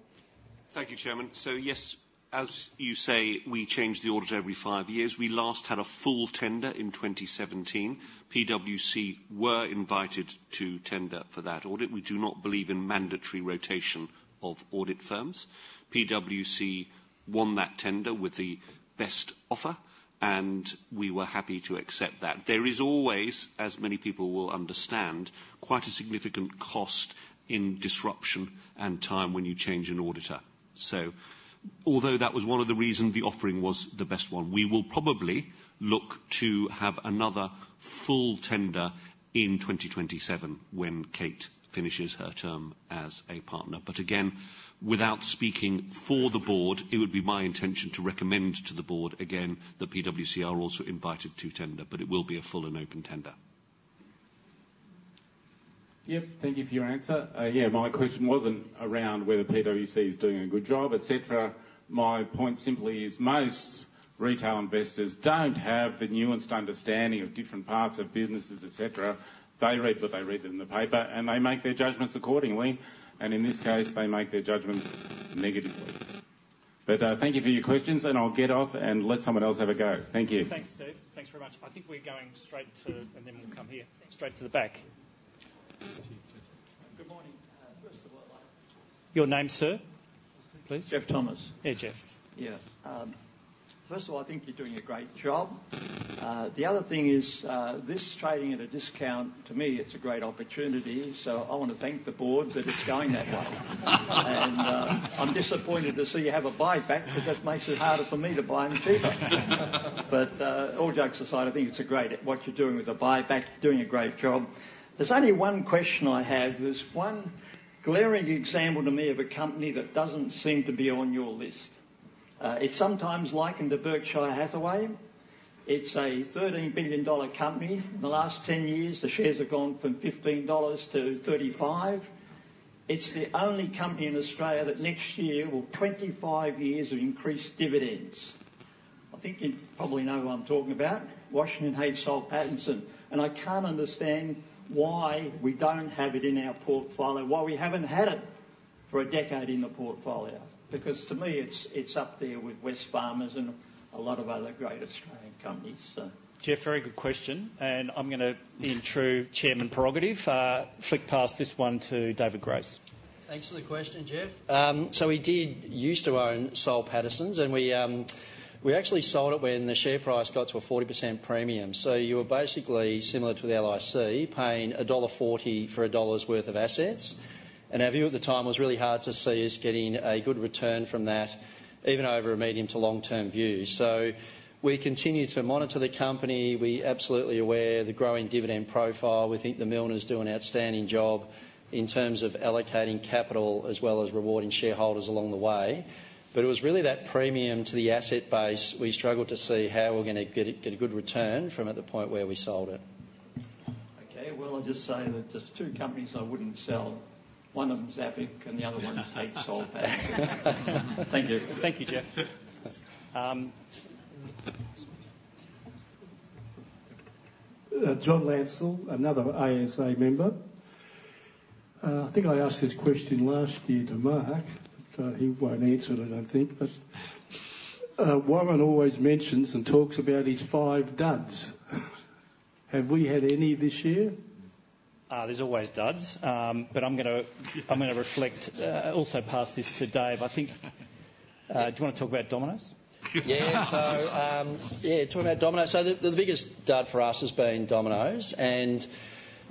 Thank you, Chairman. Yes, as you say, we change the auditor every five years. We last had a full tender in 2017. PwC were invited to tender for that audit. We do not believe in mandatory rotation of audit firms. PwC won that tender with the best offer, and we were happy to accept that. There is always, as many people will understand, quite a significant cost in disruption and time when you change an auditor. Although that was one of the reasons the offering was the best one, we will probably look to have another full tender in 2027 when Kate finishes her term as a partner. Again, without speaking for the board, it would be my intention to recommend to the board again, that PwC are also invited to tender, but it will be a full and open tender. Thank you for your answer. Yeah, my question wasn't around whether PwC is doing a good job, et cetera. My point simply is, most retail investors don't have the nuanced understanding of different parts of businesses, et cetera. They read what they read in the paper, and they make their judgments accordingly, and in this case, they make their judgments negatively. Thank you for your questions, and I'll get off and let someone else have a go. Thank you. Thanks, Steve. Thanks very much. I think we're going straight to, and then we'll come here. Straight to the back. Good morning. First of all, I'd like. Your name, sir, please? Jeff Thomas. Hey, Jeff. First of all, I think you're doing a great job. The other thing is, this trading at a discount, to me, it's a great opportunity, so I want to thank the board that it's going that way. I'm disappointed to see you have a buyback because that makes it harder for me to buy them cheaper. All jokes aside, I think it's a great, what you're doing with the buyback, doing a great job. There's only one question I have. There's one glaring example to me of a company that doesn't seem to be on your list. It's sometimes likened to Berkshire Hathaway. It's a 13 billion dollar company. In the last 10 years, the shares have gone from 15 dollars to 35. It's the only company in Australia that next year, will 25 years of increased dividends. I think you probably know who I'm talking about, Washington H. Soul Pattinson, and I can't understand why we don't have it in our portfolio, why we haven't had it for a decade in the portfolio, because to me, it's, it's up there with Wesfarmers and a lot of other great Australian companies, so. Jeff, very good question, and I'm gonna, in true chairman prerogative, flick past this one to David Grace. Thanks for the question, Jeff. So we did used to own Soul Pattinson, and we actually sold it when the share price got to a 40% premium. You were basically, similar to the LIC, paying dollar 1.40 for a AUD 1 worth of assets. Our view at the time was really hard to see us getting a good return from that, even over a medium to long-term view. We continue to monitor the company. We're absolutely aware of the growing dividend profile. We think the Milners do an outstanding job in terms of allocating capital as well as rewarding shareholders along the way. It was really that premium to the asset base. We struggled to see how we're gonna get a good return from at the point where we sold it. Okay, well, I'll just say that there's two companies I wouldn't sell. One of them is CSL, and the other one is Washington H. Soul Pattinson. Thank you. Thank you, Jeff. John Lansel, another ASA member. I think I asked this question last year to Mark, but he won't answer it, I think. But Warren always mentions and talks about his five duds. Have we had any this year? There's always duds, but I'm gonna reflect, also pass this to Dave. I think, do you want to talk about Domino's? Talk about Domino's. The biggest dud for us has been Domino's, and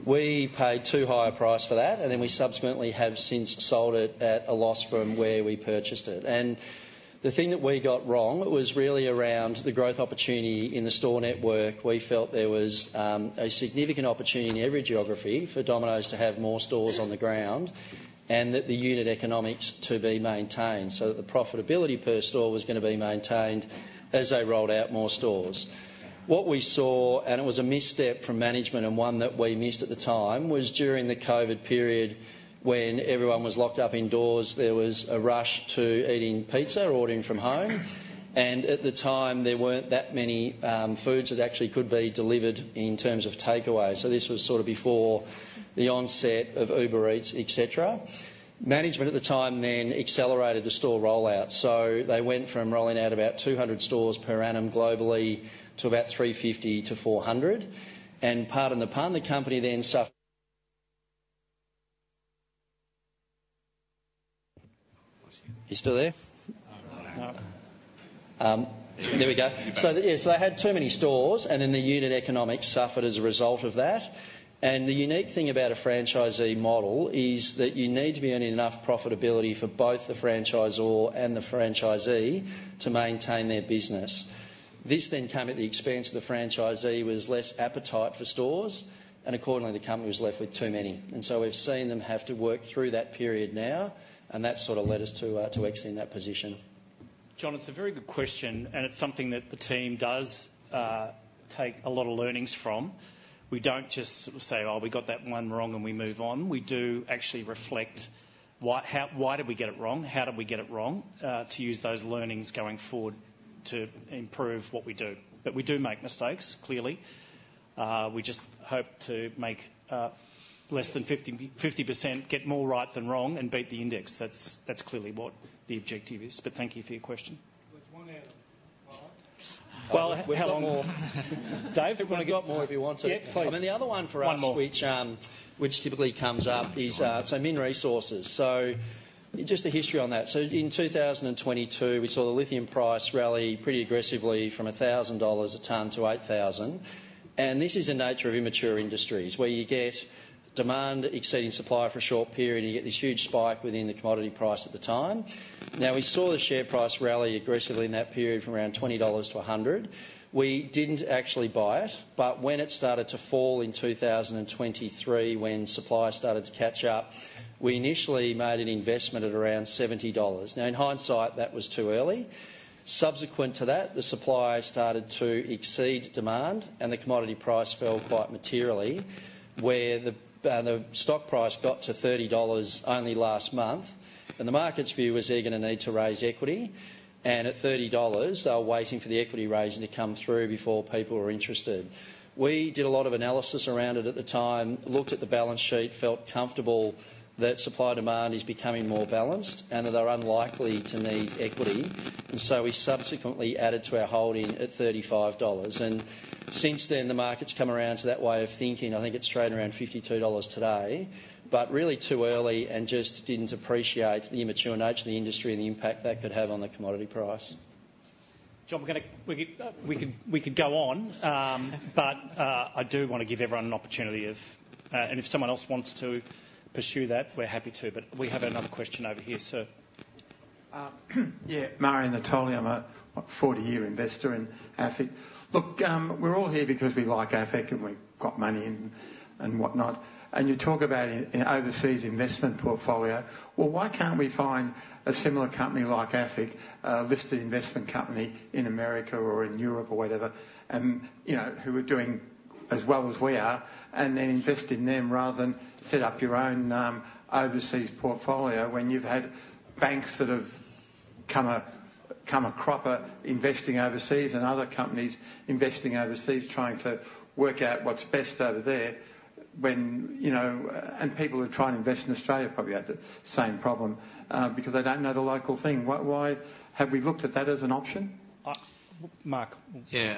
we paid too high a price for that, and then we subsequently have since sold it at a loss from where we purchased it. The thing that we got wrong was really around the growth opportunity in the store network. We felt there was a significant opportunity in every geography for Domino's to have more stores on the ground and that the unit economics to be maintained, so that the profitability per store was gonna be maintained as they rolled out more stores. What we saw, and it was a misstep from management and one that we missed at the time, was during the COVID period, when everyone was locked up indoors, there was a rush to eating pizza or ordering from home, and at the time, there weren't that many foods that actually could be delivered in terms of takeaway. This wasbefore the onset of Uber Eats, et cetera. Management at the time then accelerated the store rollout. They went from rolling out about 200 stores per annum globally to about 350-400. And pardon the pun, the company then suffered. You still there? No. There we go, so yeah, so they had too many stores, and then the unit economics suffered as a result of that, and the unique thing about a franchisee model is that you need to be earning enough profitability for both the franchisor and the franchisee to maintain their business. This then came at the expense of the franchisee, was less appetite for stores, and accordingly, the company was left with too many, and so we've seen them have to work through that period now, and that led us to extend that position. John, it's a very good question, and it's something that the team does take a lot of learnings from. We don't just say, "Oh, we got that one wrong," and we move on. We do actually reflect why, how, why did we get it wrong? How did we get it wrong? To use those learnings going forward to improve what we do. We do make mistakes, clearly. We just hope to make less than 50-50%, get more right than wrong, and beat the index. That's clearly what the objective is. Thank you for your question. We have more. Dave, do you want to- We've got more if you want to. Yeah, please. Which typically comes up is so Min Resources. Just the history on that. In two thousand and 22, we saw the lithium price rally pretty aggressively from 1,000 dollars a ton to 8,000. And this is the nature of immature industries, where you get demand exceeding supply for a short period, you get this huge spike within the commodity price at the time. Now, we saw the share price rally aggressively in that period from around $20 to $100. We didn't actually buy it, but when it started to fall in two thousand and 23, when supply started to catch up, we initially made an investment at around $70. Now, in hindsight, that was too early. Subsequent to that, the supply started to exceed demand and the commodity price fell quite materially, where the stock price got to 30 dollars only last month. The market's view is they're gonna need to raise equity, and at 30 dollars, they were waiting for the equity raise to come through before people were interested. We did a lot of analysis around it at the time, looked at the balance sheet, felt comfortable that supply/demand is becoming more balanced and that they're unlikely to need equity, and so we subsequently added to our holding at 35 dollars. Since then, the market's come around to that way of thinking. I think it's trading around 52 dollars today, but really too early and just didn't appreciate the immature nature of the industry and the impact that could have on the commodity price. John, we're gonna, we could go on, but I do want to give everyone an opportunity of... and if someone else wants to pursue that, we're happy to, but we have another question over here, sir. Yeah, Murray Natoli, I'm a forty-year investor in AFIC. Look, we're all here because we like AFIC, and we've got money and whatnot. And you talk about an overseas investment portfolio. Well, why can't we find a similar company like AFIC, a listed investment company in America or in Europe or whatever, and, who are doing as well as we are, and then invest in them rather than set up your own overseas portfolio, when you've had banks that have come a cropper investing overseas and other companies investing overseas, trying to work out what's best over there? People who are trying to invest in Australia probably have the same problem, because they don't know the local thing. Have we looked at that as an option? Uh, Mark? Yeah,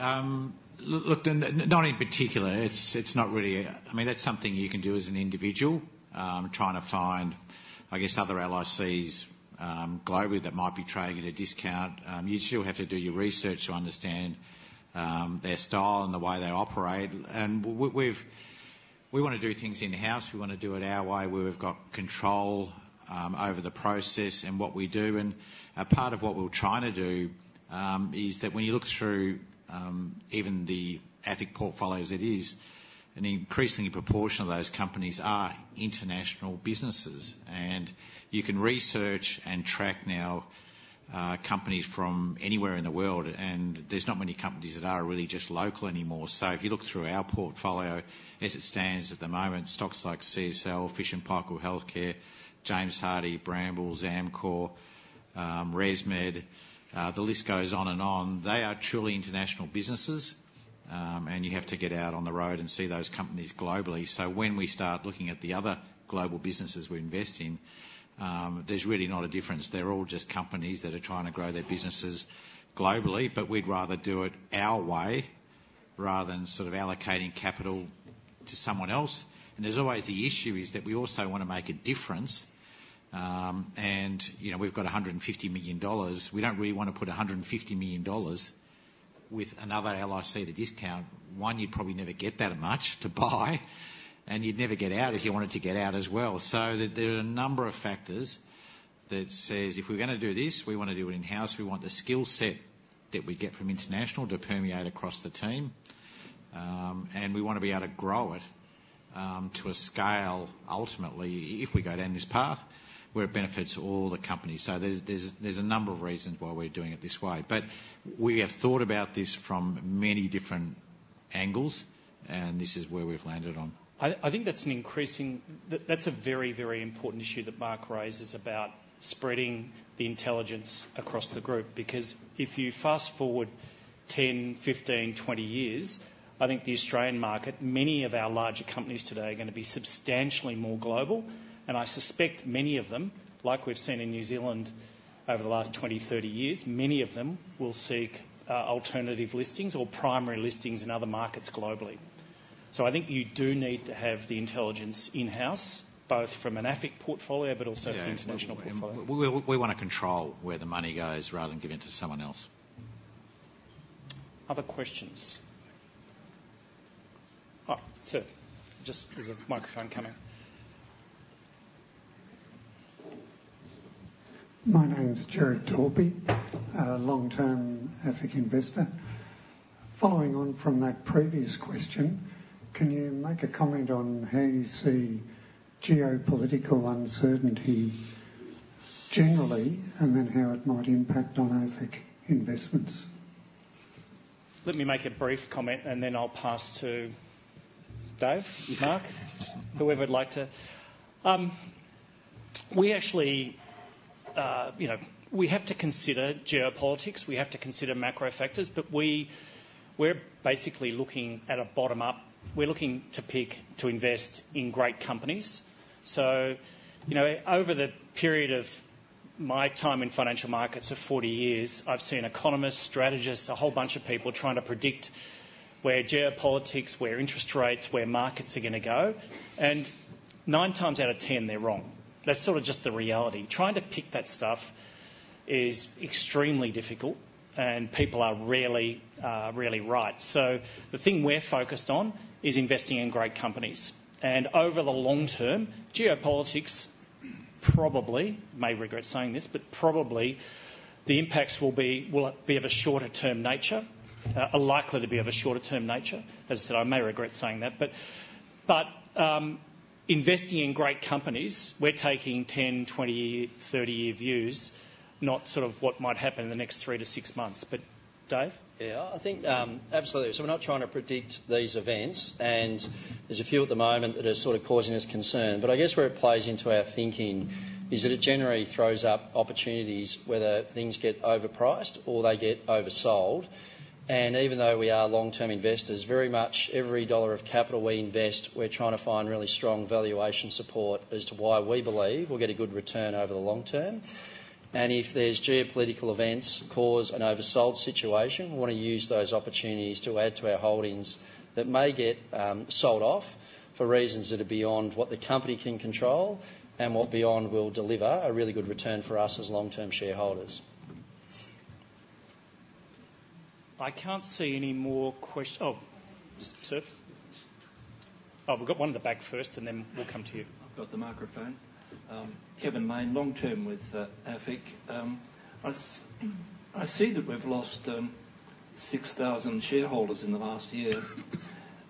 look, not in particular. It's not really a... I mean, that's something you can do as an individual, trying to find, I guess, other LICs globally that might be trading at a discount. You'd still have to do your research to understand their style and the way they operate. We wanna do things in-house. We wanna do it our way, where we've got control over the process and what we do. A part of what we're trying to do is that when you look through even the AFIC portfolio as it is, an increasing proportion of those companies are international businesses, and you can research and track now companies from anywhere in the world, and there's not many companies that are really just local anymore. If you look through our portfolio as it stands at the moment, stocks like CSL, Fisher & Paykel Healthcare, James Hardie, Brambles, Amcor, ResMed, the list goes on and on. They are truly international businesses, and you have to get out on the road and see those companies globally. When we start looking at the other global businesses we invest in, there's really not a difference. They're all just companies that are trying to grow their businesses globally, but we'd rather do it our way, rather than allocating capital to someone else. There's always the issue that we also want to make a difference, and we've got 150 million dollars. We don't really want to put 150 million dollars with another LIC at a discount. One, you'd probably never get that much to buy, and you'd never get out if you wanted to get out as well. There are a number of factors that says, if we're going to do this, we want to do it in-house. We want the skill set that we get from international to permeate across the team, and we wanna be able to grow it to a scale, ultimately, if we go down this path, where it benefits all the companies. There's a number of reasons why we're doing it this way, but we have thought about this from many different angles, and this is where we've landed on. I think that's a very, very important issue that Mark raises about spreading the intelligence across the group, because if you fast-forward 10, 15, 20 years, I think the Australian market, many of our larger companies today are going to be substantially more global. I suspect many of them, like we've seen in New Zealand over the last 20, 30 years, many of them will seek alternative listings or primary listings in other markets globally. I think you do need to have the intelligence in-house, both from an AFIC portfolio, but also the international portfolio. We want to control where the money goes rather than give it to someone else. Other questions? Oh, sir, just there's a microphone coming. My name is Gerard Dalby, a long-term AFIC investor. Following on from that previous question, can you make a comment on how you see geopolitical uncertainty generally, and then how it might impact on AFIC investments? Let me make a brief comment, and then I'll pass to Dave, Mark, whoever'd like to. We actually we have to consider geopolitics, we have to consider macro factors, but we're basically looking at a bottom-up. We're looking to pick, to invest in great companies. Over the period of my time in financial markets of forty years, I've seen economists, strategists, a whole bunch of people trying to predict where geopolitics, where interest rates, where markets are going to go, and nine times out of ten, they're wrong. That's just the reality. Trying to pick that stuff is extremely difficult, and people are rarely right. The thing we're focused on is investing in great companies. Over the long term, geopolitics probably. I may regret saying this, but probably the impacts will be of a shorter-term nature, are likely to be of a shorter-term nature. As I said, I may regret saying that, but investing in great companies, we're taking 10, 20-year, 30-year views, not what might happen in the next three to six months Dave? I think, absolutely. We're not trying to predict these events, and there's a few at the moment that are causing us concern. Where it plays into our thinking is that it generally throws up opportunities, whether things get overpriced or they get oversold. Even though we are long-term investors, very much every dollar of capital we invest, we're trying to find really strong valuation support as to why we believe we'll get a good return over the long term. If there's geopolitical events cause an oversold situation, we want to use those opportunities to add to our holdings that may get sold off for reasons that are beyond what the company can control and what beyond will deliver a really good return for us as long-term shareholders. I can't see any more questions. Oh, sir? Oh, we've got one in the back first, and then we'll come to you. I've got the microphone. Kevin Maine, long-term with AFIC. I see that we've lost 6,000 shareholders in the last year.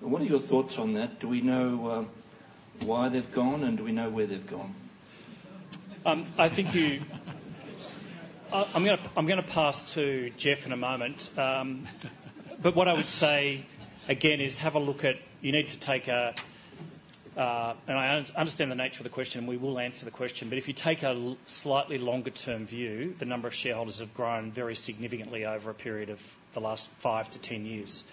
What are your thoughts on that? Do we know why they've gone, and do we know where they've gone? I'm going to pass to Jeff in a moment. What I would say, again, is have a look and I understand the nature of the question, and we will answer the question. But if you take a slightly longer-term view, the number of shareholders have grown very significantly over a period of the last five to ten years.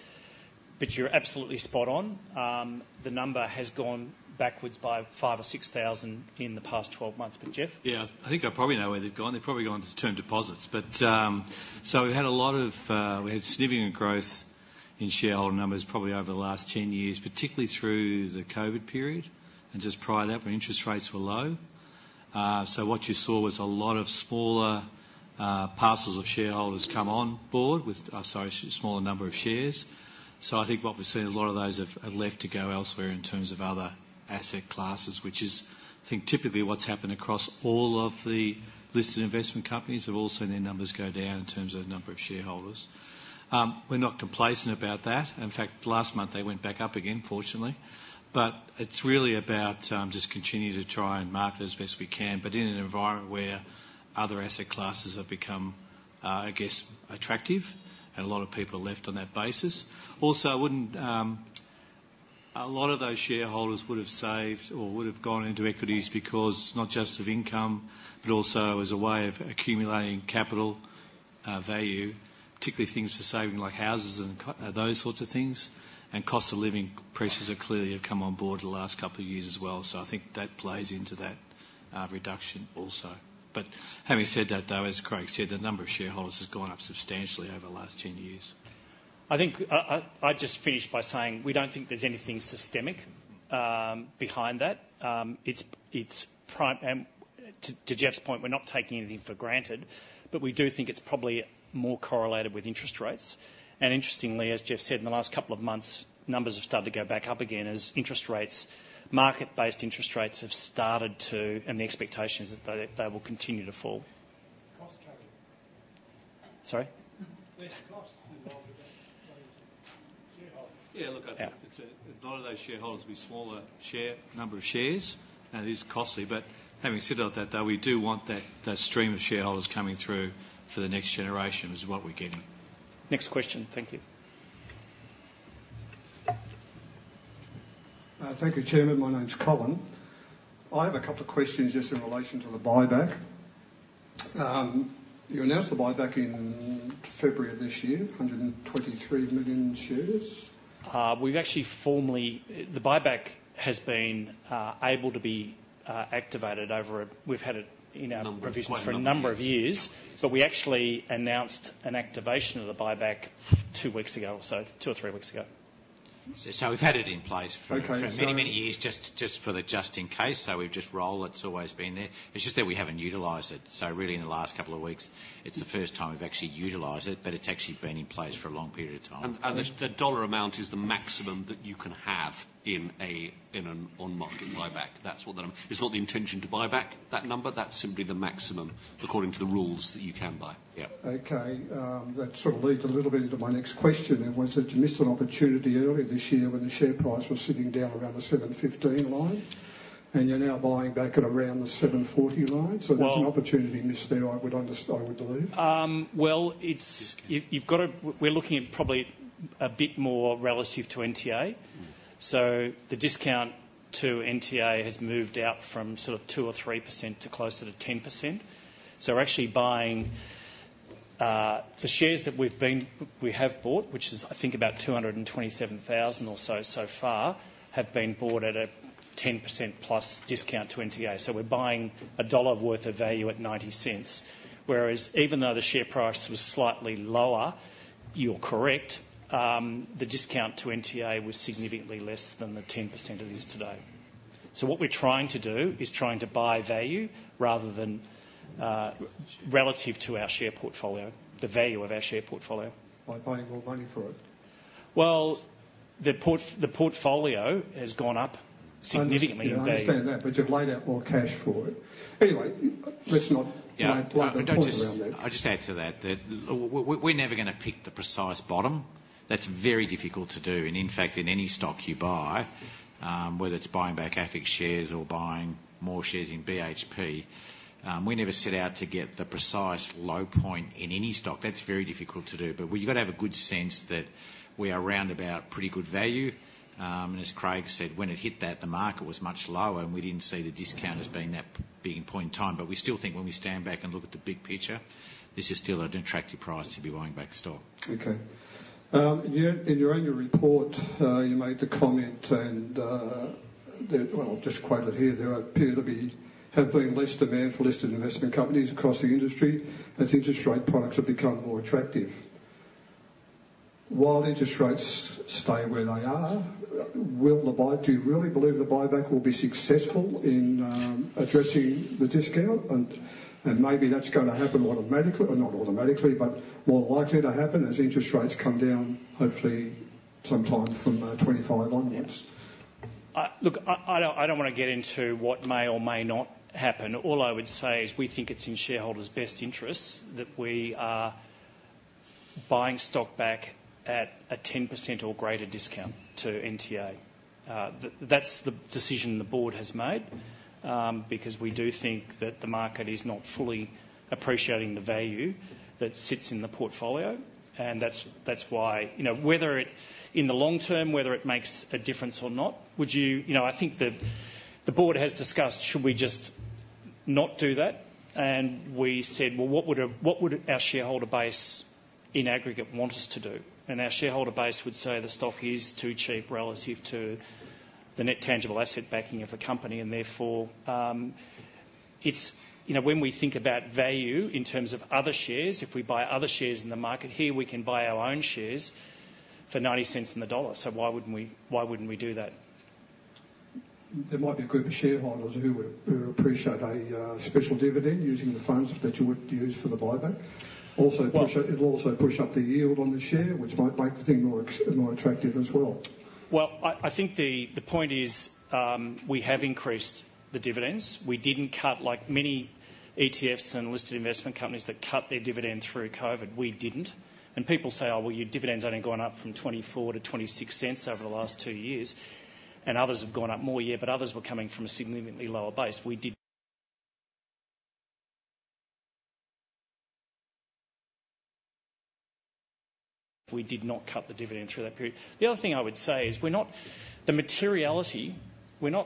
You're absolutely spot on. The number has gone backwards by five or six thousand in the past twelve months. But, Jeff? Yeah, I think I probably know where they've gone. They've probably gone to term deposits. But so we've had a lot of. We had significant growth in shareholder numbers, probably over the last ten years, particularly through the COVID period, and just prior to that, when interest rates were low. So what you saw was a lot of smaller parcels of shareholders come on board with, sorry, smaller number of shares. I think what we've seen, a lot of those have left to go elsewhere in terms of other asset classes, which is, I think, typically what's happened across all of the listed investment companies. They've all seen their numbers go down in terms of number of shareholders. We're not complacent about that. In fact, last month, they went back up again, fortunately. It's really about just continuing to try and market as best we can, but in an environment where other asset classes have become, I guess, attractive, and a lot of people left on that basis. Also a lot of those shareholders would have saved or would have gone into equities because not just of income, but also as a way of accumulating capital value, particularly things for saving, like houses and those sorts of things. Cost of living pressures are clearly have come on board the last couple of years as well. I think that plays into that reduction also. Having said that, though, as Craig said, the number of shareholders has gone up substantially over the last ten years. I think I'd just finish by saying we don't think there's anything systemic behind that. And to Jeff's point, we're not taking anything for granted, but we do think it's probably more correlated with interest rates. Interestingly, as Jeff said, in the last couple of months, numbers have started to go back up again as interest rates, market-based interest rates, have started to. The expectation is that they will continue to fall. Sorry? There's costs involved with that shareholder. A lot of those shareholders will be smaller number of shares, and it is costly. But having said all of that, though, we do want that. That stream of shareholders coming through for the next generation is what we're getting. Next question. Thank you. Thank you, Chairman. My name's Colin. I have a couple of questions just in relation to the buyback. You announced the buyback in February of this year, 123 million shares. We've actually formally. The buyback has been able to be activated over. We've had it in our number of years, but we actually announced an activation of the buyback two weeks ago or so, two or three weeks ago. We've had it in place for many years, just in case. We've just rolled. It's always been there. It's just that we haven't utilized it. Really, in the last couple of weeks, it's the first time we've actually utilized it, but it's actually been in place for a long period of time. The dollar amount is the maximum that you can have in an on-market buyback. That's what It's not the intention to buy back that number; that's simply the maximum, according to the rules, that you can buy. Okay, that leads a little bit into my next question, then, was that you missed an opportunity earlier this year when the share price was sitting down around the 7.15 line, and you're now buying back at around the 7.40 line? There's an opportunity missed there. I would believe. Well we're looking at probably a bit more relative to NTA. The discount to NTA has moved out from 2 or 3% to closer to 10%. We're actually buying the shares that we've been, we have bought, which is, I think, about 227,000 or so, so far, have been bought at a 10% plus discount to NTA. We're buying a dollar worth of value at 90 cents, whereas even though the share price was slightly lower, you're correct, the discount to NTA was significantly less than the 10% it is today. What we're trying to do is trying to buy value rather than relative to our share portfolio, the value of our share portfolio. By paying more money for it? The portfolio has gone up significantly in value. I understand that, but you've laid out more cash for it. Anyway, let's not- YeahMake the point around that. I'll just add to that, that we're never gonna pick the precise bottom. That's very difficult to do. In fact, in any stock you buy, whether it's buying back AFIC shares or buying more shares in BHP, we never set out to get the precise low point in any stock. That's very difficult to do. We've got to have a good sense that we are around about pretty good value. As Craig said, when it hit that, the market was much lower, and we didn't see the discount as being that big in point in time. We still think when we stand back and look at the big picture, this is still an attractive price to be buying back stock. Okay. In your annual report, you made the comment and that. Well, I'll just quote it here: "There appear to be, have been less demand for listed investment companies across the industry as interest rate products have become more attractive." While interest rates stay where they are, will the buyback, do you really believe the buyback will be successful in addressing the discount? Maybe that's gonna happen automatically, or not automatically, but more likely to happen as interest rates come down, hopefully sometime from 24 onwards. Look, I don't wanna get into what may or may not happen. All I would say is we think it's in shareholders' best interests that we are buying stock back at a 10% or greater discount to NTA. That's the decision the board has made, because we do think that the market is not fully appreciating the value that sits in the portfolio, and that's why. Whether it, in the long term, whether it makes a difference or not, would you. I think the board has discussed, should we just not do that? We said, "Well, what would our shareholder base in aggregate want us to do?" Our shareholder base would say the stock is too cheap relative to the net tangible asset backing of the company, and therefore, it's when we think about value in terms of other shares, if we buy other shares in the market, here we can buy our own shares for ninety cents on the dollar, so why wouldn't we, why wouldn't we do that? There might be a group of shareholders who would appreciate a special dividend using the funds that you would use for the buyback. It'll also push up the yield on the share, which might make the thing more attractive as well. I think the point is, we have increased the dividends. We didn't cut, like many ETFs and listed investment companies that cut their dividend through Covid, we didn't. People say, "Oh, well, your dividend's only gone up from 0.24 to 0.26 over the last two years, and others have gone up more." Yeah, but others were coming from a significantly lower base. We did not cut the dividend through that period. The other thing I would say is we're not talking about the materiality what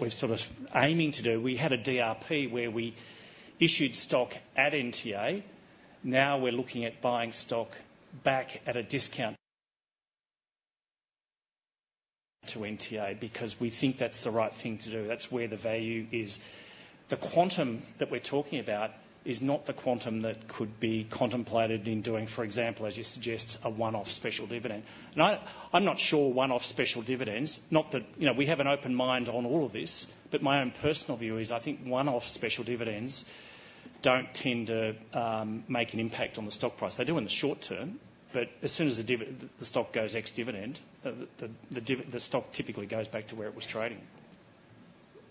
we're aiming to do. We had a DRP where we issued stock at NTA. Now we're looking at buying stock back at a discount to NTA, because we think that's the right thing to do. That's where the value is. The quantum that we're talking about is not the quantum that could be contemplated in doing, for example, as you suggest, a one-off special dividend. I, I'm not sure one-off special dividends, not that we have an open mind on all of this, but my own personal view is, I think one-off special dividends don't tend to make an impact on the stock price. They do in the short term, but as soon as the dividend, the stock goes ex-dividend, the stock typically goes back to where it was trading.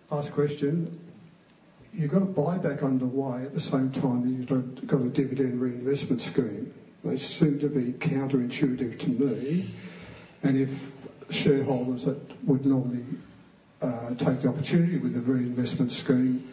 Last question: You've got a buyback underway at the same time, and you don't have a dividend reinvestment scheme. That seems to be counterintuitive to me, and if shareholders that would normally take the opportunity with the reinvestment scheme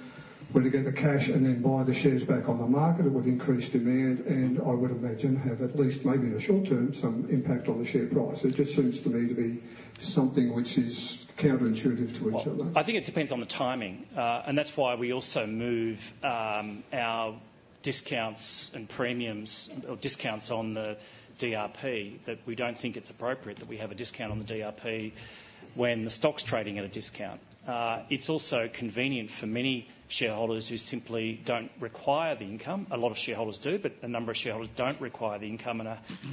were to get the cash and then buy the shares back on the market, it would increase demand, and I would imagine have at least, maybe in the short term, some impact on the share price. It just seems to me to be something which is counterintuitive to each other. Well, I think it depends on the timing, and that's why we also move our discounts and premiums, or discounts on the DRP, that we don't think it's appropriate that we have a discount on the DRP when the stock's trading at a discount. It's also convenient for many shareholders who simply don't require the income. A lot of shareholders do, but a number of shareholders don't require the income and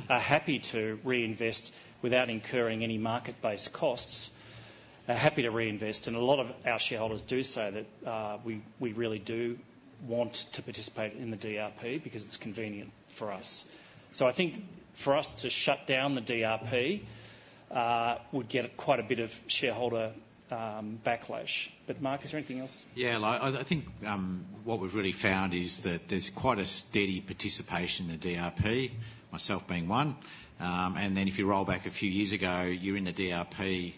are happy to reinvest without incurring any market-based costs, and a lot of our shareholders do say that, "We really do want to participate in the DRP because it's convenient for us." I think for us to shut down the DRP would get quite a bit of shareholder backlash. Mark, is there anything else? Yeah, I think what we've really found is that there's quite a steady participation in the DRP, myself being one, and then if you roll back a few years ago, you're in the DRP,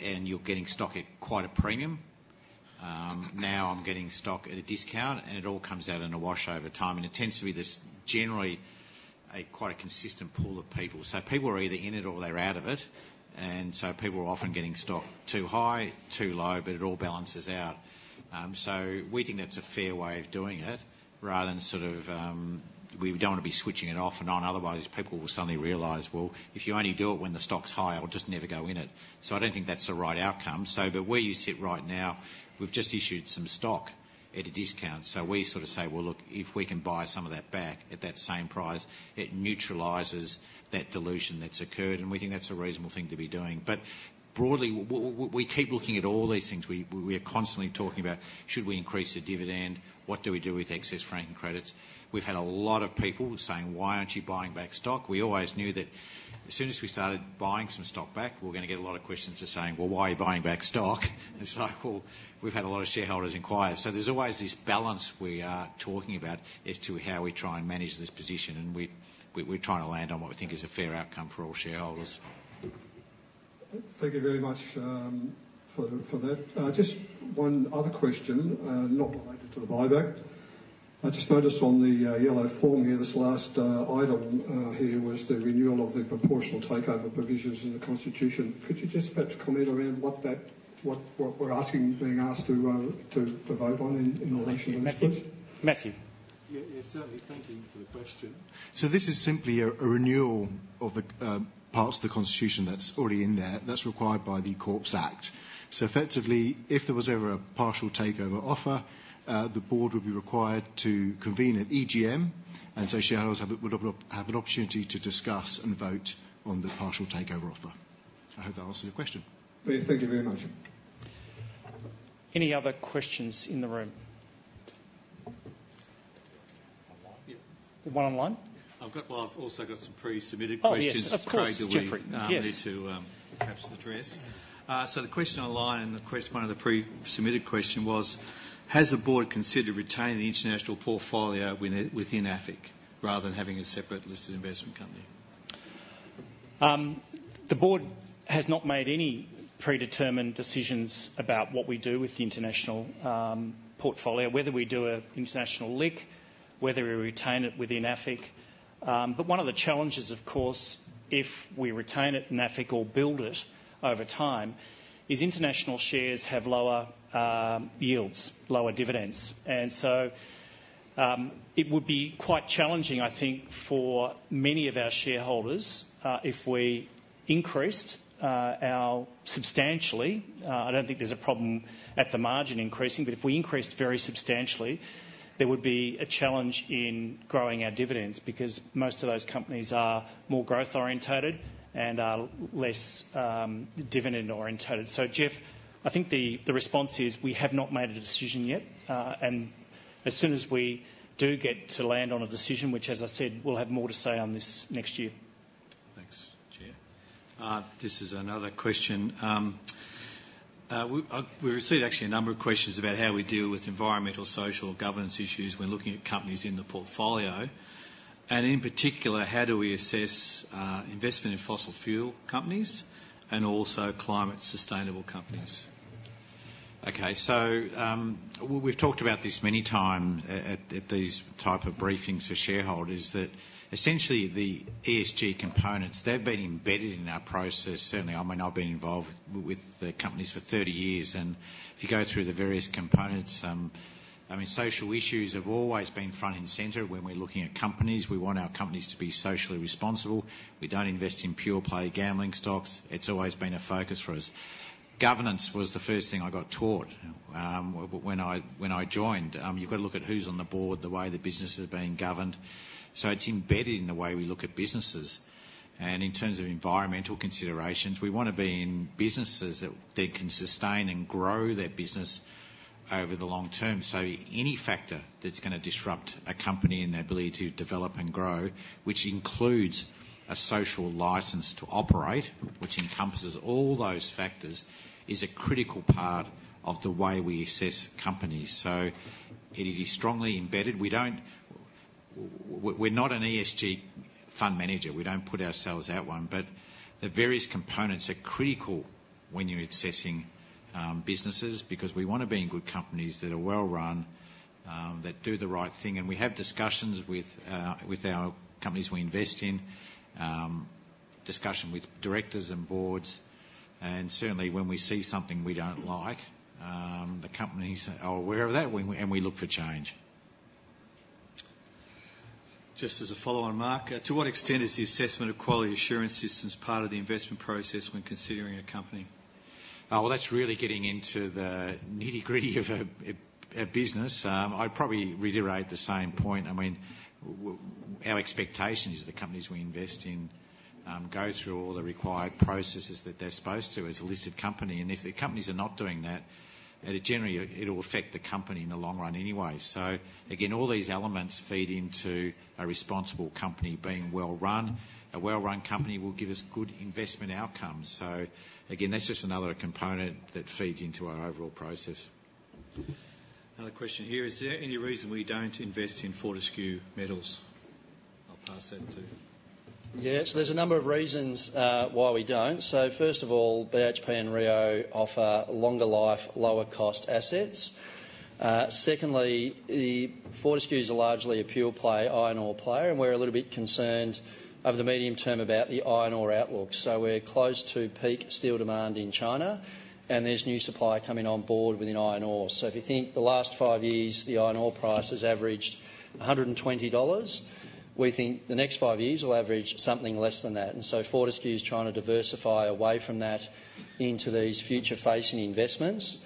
and you're getting stock at quite a premium. Now I'm getting stock at a discount, and it all comes out in a wash over time, and it tends to be this generally quite a consistent pool of people, so people are either in it or they're out of it, and so people are often getting stock too high, too low, but it all balances out, so we think that's a fair way of doing it, rather tha we don't want to be switching it off and on. Otherwise, people will suddenly realize, "Well, if you only do it when the stock's high, I'll just never go in it." I don't think that's the right outcome. Where you sit right now, we've just issued some stock at a discount, so we say: Well, look, if we can buy some of that back at that same price, it neutralizes that dilution that's occurred, and we think that's a reasonable thing to be doing. Broadly, we keep looking at all these things. We are constantly talking about, should we increase the dividend? What do we do with excess franking credits? We've had a lot of people saying: Why aren't you buying back stock? We always knew that as soon as we started buying some stock back, we're gonna get a lot of questions saying, "Well, why are you buying back stock?" It's like, well, we've had a lot of shareholders inquire. There's always this balance we are talking about as to how we try and manage this position, and we're trying to land on what we think is a fair outcome for all shareholders. Thank you very much for that. Just one other question not related to the buyback. I just noticed on the yellow form here, this last item here was the renewal of the proportional takeover provisions in the Constitution. Could you just perhaps comment around what that, what we're asking, being asked to vote on in relation to this? Matthew? Thank you for the question. This is simply a renewal of the parts of the Constitution that's already in there. That's required by the Corporations Act. Effectively, if there was ever a partial takeover offer, the board would be required to convene an EGM, and so shareholders would have an opportunity to discuss and vote on the partial takeover offer. I hope that answers your question. Great. Thank you very much. Any other questions in the room? One online? I've got, well, I've also got some pre-submitted questions- Oh, yes. Need to perhaps address. The question online, one of the pre-submitted questions was. Has the board considered retaining the international portfolio within AFIC, rather than having a separate listed investment company? The board has not made any predetermined decisions about what we do with the international portfolio, whether we do an international LIC, whether we retain it within AFIC. One of the challenges, of course, if we retain it in AFIC or build it over time, is international shares have lower yields, lower dividends. It would be quite challenging, I think, for many of our shareholders if we increased our substantially. I don't think there's a problem at the margin increasing, but if we increased very substantially, there would be a challenge in growing our dividends, because most of those companies are more growth-orientated and are less dividend-orientated. Jeff, I think the response is, we have not made a decision yet. As soon as we do get to land on a decision, which, as I said, we'll have more to say on this next year. Thanks, Chair. This is another question. We received actually a number of questions about how we deal with environmental, social, governance issues when looking at companies in the portfolio, and in particular, how do we assess investment in fossil fuel companies and also climate sustainable companies? We've talked about this many times at, at, at these type of briefings for shareholders, that essentially, the ESG components, they've been embedded in our process. Certainly, I mean, I've been involved with, with the companies for thirty years, and if you go through the various components, I mean, social issues have always been front and center when we're looking at companies. We want our companies to be socially responsible. We don't invest in pure-play gambling stocks. It's always been a focus for us. Governance was the first thing I got taught, when I joined. You've got to look at who's on the board, the way the business is being governed. It's embedded in the way we look at businesses. In terms of environmental considerations, we wanna be in businesses that can sustain and grow their business over the long term. So any factor that's gonna disrupt a company and their ability to develop and grow, which includes a social license to operate, which encompasses all those factors, is a critical part of the way we assess companies. So it is strongly embedded. We're not an ESG fund manager. We don't put ourselves as one, but the various components are critical when you're assessing businesses, because we wanna be in good companies that are well-run that do the right thing. And we have discussions with our companies we invest in, discussion with directors and boards, and certainly when we see something we don't like, the companies are aware of that, and we look for change. Just as a follow on, Mark, to what extent is the assessment of quality assurance systems part of the investment process when considering a company? Well, that's really getting into the nitty-gritty of a business. I'd probably reiterate the same point. I mean, our expectation is the companies we invest in go through all the required processes that they're supposed to as a listed company, and if the companies are not doing that, then generally, it'll affect the company in the long run anyway. Again, all these elements feed into a responsible company being well-run. A well-run company will give us good investment outcomes. Again, that's just another component that feeds into our overall process. Another question here: Is there any reason we don't invest in Fortescue Metals? I'll pass that to- There's a number of reasons why we don't. First of all, BHP and Rio offer longer-life, lower-cost assets. Secondly, the Fortescue is largely a pure-play iron ore player, and we're a little bit concerned over the medium term about the iron ore outlook. We're close to peak steel demand in China, and there's new supply coming on board within iron ore. If you think the last five years, the iron ore price has averaged 120 dollars, we think the next five years will average something less than that. Fortescue is trying to diversify away from that into these future-facing investments,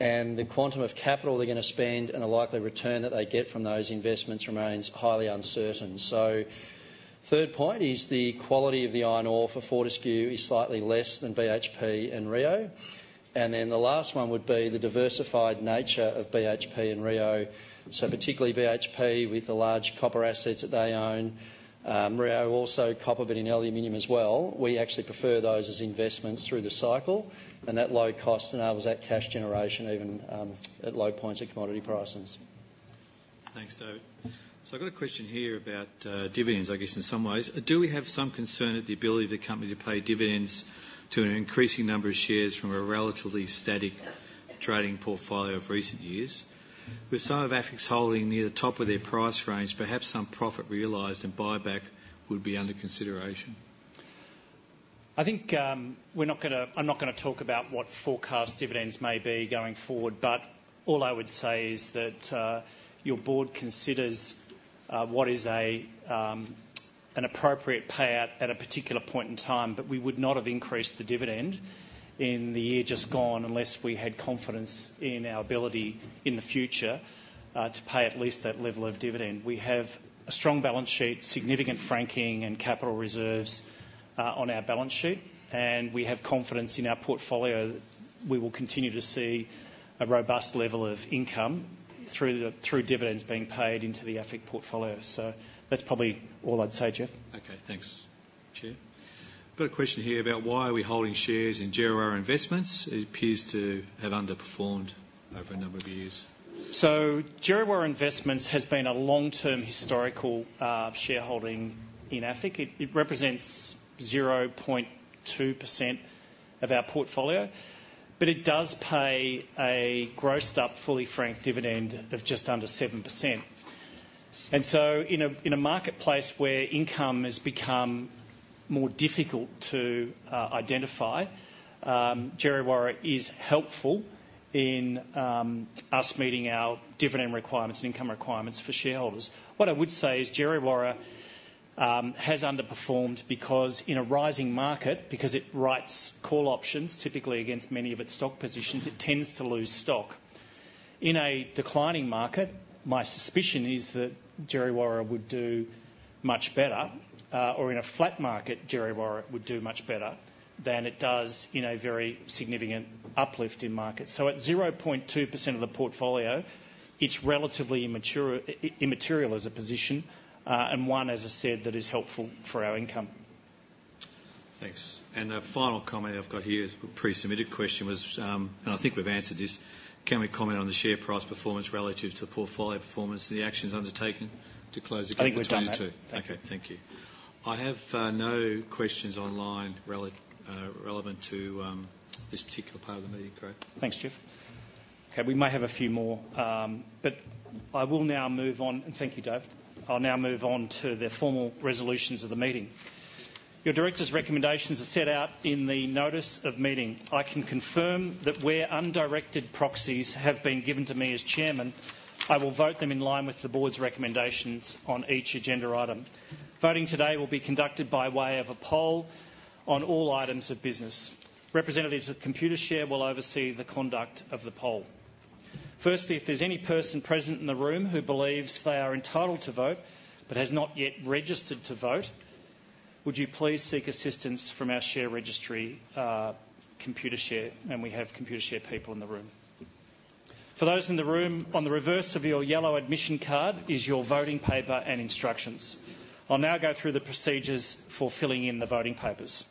and the quantum of capital they're going to spend and the likely return that they get from those investments remains highly uncertain. Third point is, the quality of the iron ore for Fortescue is slightly less than BHP and Rio. And then the last one would be the diversified nature of BHP and Rio. Particularly BHP, with the large copper assets that they own, Rio, also copper, but in aluminum as well. We actually prefer those as investments through the cycle, and that low cost enables that cash generation even, at low points in commodity prices. Thanks, David. I've got a question here about dividends, I guess, in some ways. Do we have some concern at the ability of the company to pay dividends to an increasing number of shares from a relatively static trading portfolio of recent years? With some of AFIC's holding near the top of their price range, perhaps some profit realized and buyback would be under consideration. I think I'm not going to talk about what forecast dividends may be going forward, but all I would say is that your board considers what is an appropriate payout at a particular point in time, but we would not have increased the dividend in the year just gone unless we had confidence in our ability in the future to pay at least that level of dividend. We have a strong balance sheet, significant franking and capital reserves on our balance sheet, and we have confidence in our portfolio. We will continue to see a robust level of income through the dividends being paid into the AFIC portfolio. So that's probably all I'd say, Jeff. Okay, thanks, Chair. I've got a question here about why are we holding shares in Djerriwarrh Investments? It appears to have underperformed over a number of years. Djerriwarrh Investments has been a long-term historical shareholding in AFIC. It represents 0.2% of our portfolio, but it does pay a grossed-up, fully franked dividend of just under 7%. In a marketplace where income has become more difficult to identify, Djerriwarrh is helpful in us meeting our dividend requirements and income requirements for shareholders. What I would say is Djerriwarrh has underperformed because in a rising market, because it writes call options, typically against many of its stock positions, it tends to lose stock. In a declining market, my suspicion is that Djerriwarrh would do much better, or in a flat market, Djerriwarrh would do much better than it does in a very significant uplift in market. At 0.2% of the portfolio, it's relatively immaterial as a position, and one, as I said, that is helpful for our income. The final comment I've got here is a pre-submitted question, was, and I think we've answered this. Can we comment on the share price performance relative to the portfolio performance and the actions undertaken to close the gap? I think we've done that. Okay, thank you. I have no questions online relevant to this particular part of the meeting, Craig. Thanks, Jeff. Okay, we may have a few more, but I will now move on and thank you, Dave. I'll now move on to the formal resolutions of the meeting. Your directors' recommendations are set out in the notice of meeting. I can confirm that where undirected proxies have been given to me as chairman, I will vote them in line with the board's recommendations on each agenda item. Voting today will be conducted by way of a poll on all items of business. Representatives of Computershare will oversee the conduct of the poll. Firstly, if there's any person present in the room who believes they are entitled to vote but has not yet registered to vote, would you please seek assistance from our share registry, Computershare, and we have Computershare people in the room. For those in the room, on the reverse of your yellow admission card is your voting paper and instructions. I'll now go through the procedures for filling in the voting papers.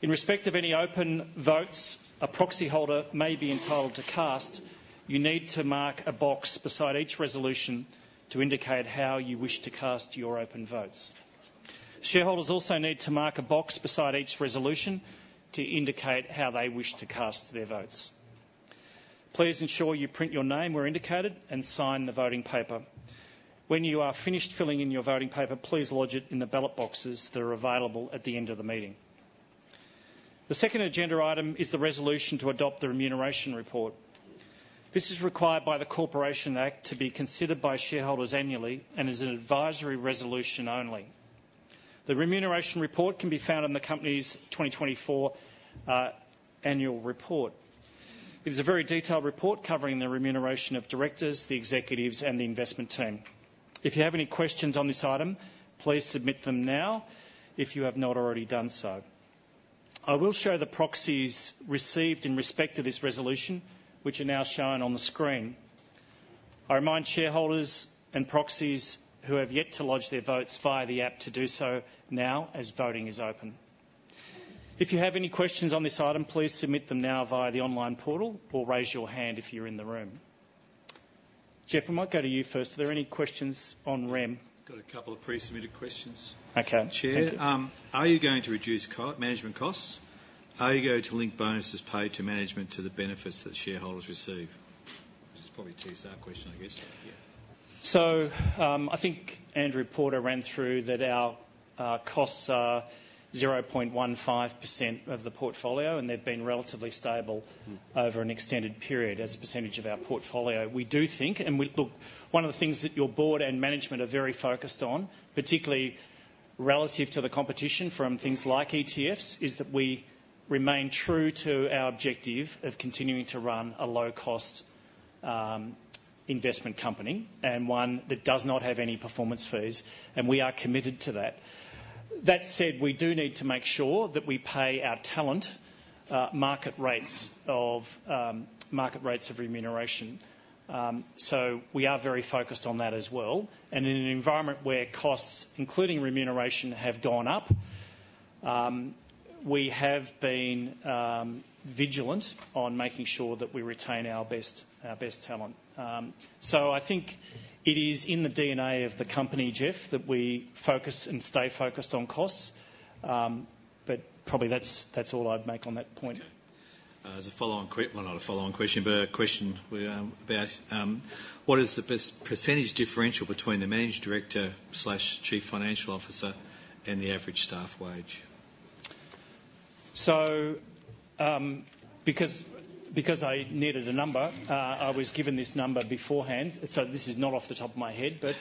In respect of any open votes a proxyholder may be entitled to cast, you need to mark a box beside each resolution to indicate how you wish to cast your open votes. Shareholders also need to mark a box beside each resolution to indicate how they wish to cast their votes. Please ensure you print your name where indicated, and sign the voting paper. When you are finished filling in your voting paper, please lodge it in the ballot boxes that are available at the end of the meeting. The second agenda item is the resolution to adopt the remuneration report. This is required by the Corporations Act to be considered by shareholders annually and is an advisory resolution only. The remuneration report can be found on the company's 2024 annual report. It is a very detailed report covering the remuneration of directors, the executives, and the investment team. If you have any questions on this item, please submit them now, if you have not already done so. I will show the proxies received in respect to this resolution, which are now shown on the screen. I remind shareholders and proxies who have yet to lodge their votes via the app to do so now, as voting is open. If you have any questions on this item, please submit them now via the online portal or raise your hand if you're in the room. Jeff, I might go to you first. Are there any questions on rem? Got a couple of pre-submitted questions. Okay. Thank you. Chair, are you going to reduce management costs? Are you going to link bonuses paid to management to the benefits that shareholders receive? This is probably a two part question, I guess. I think Andrew Porter ran through that our costs are 0.15% of the portfolio, and they've been relatively stable over an extended period as a percentage of our portfolio. We do think. Look, one of the things that your board and management are very focused on, particularly relative to the competition from things like ETFs, is that we remain true to our objective of continuing to run a low-cost investment company, and one that does not have any performance fees, and we are committed to that. That said, we do need to make sure that we pay our talent market rates of remuneration. We are very focused on that as well. In an environment where costs, including remuneration, have gone up, we have been vigilant on making sure that we retain our best talent. I think it is in the DNA of the company, Jeff, that we focus and stay focused on costs. But probably that's all I'd make on that point. As a follow-on, well, not a follow-on question, but a question, about: What is the best percentage differential between the Managing Director/Chief Financial Officer and the average staff wage? I needed a number, I was given this number beforehand, so this is not off the top of my head. But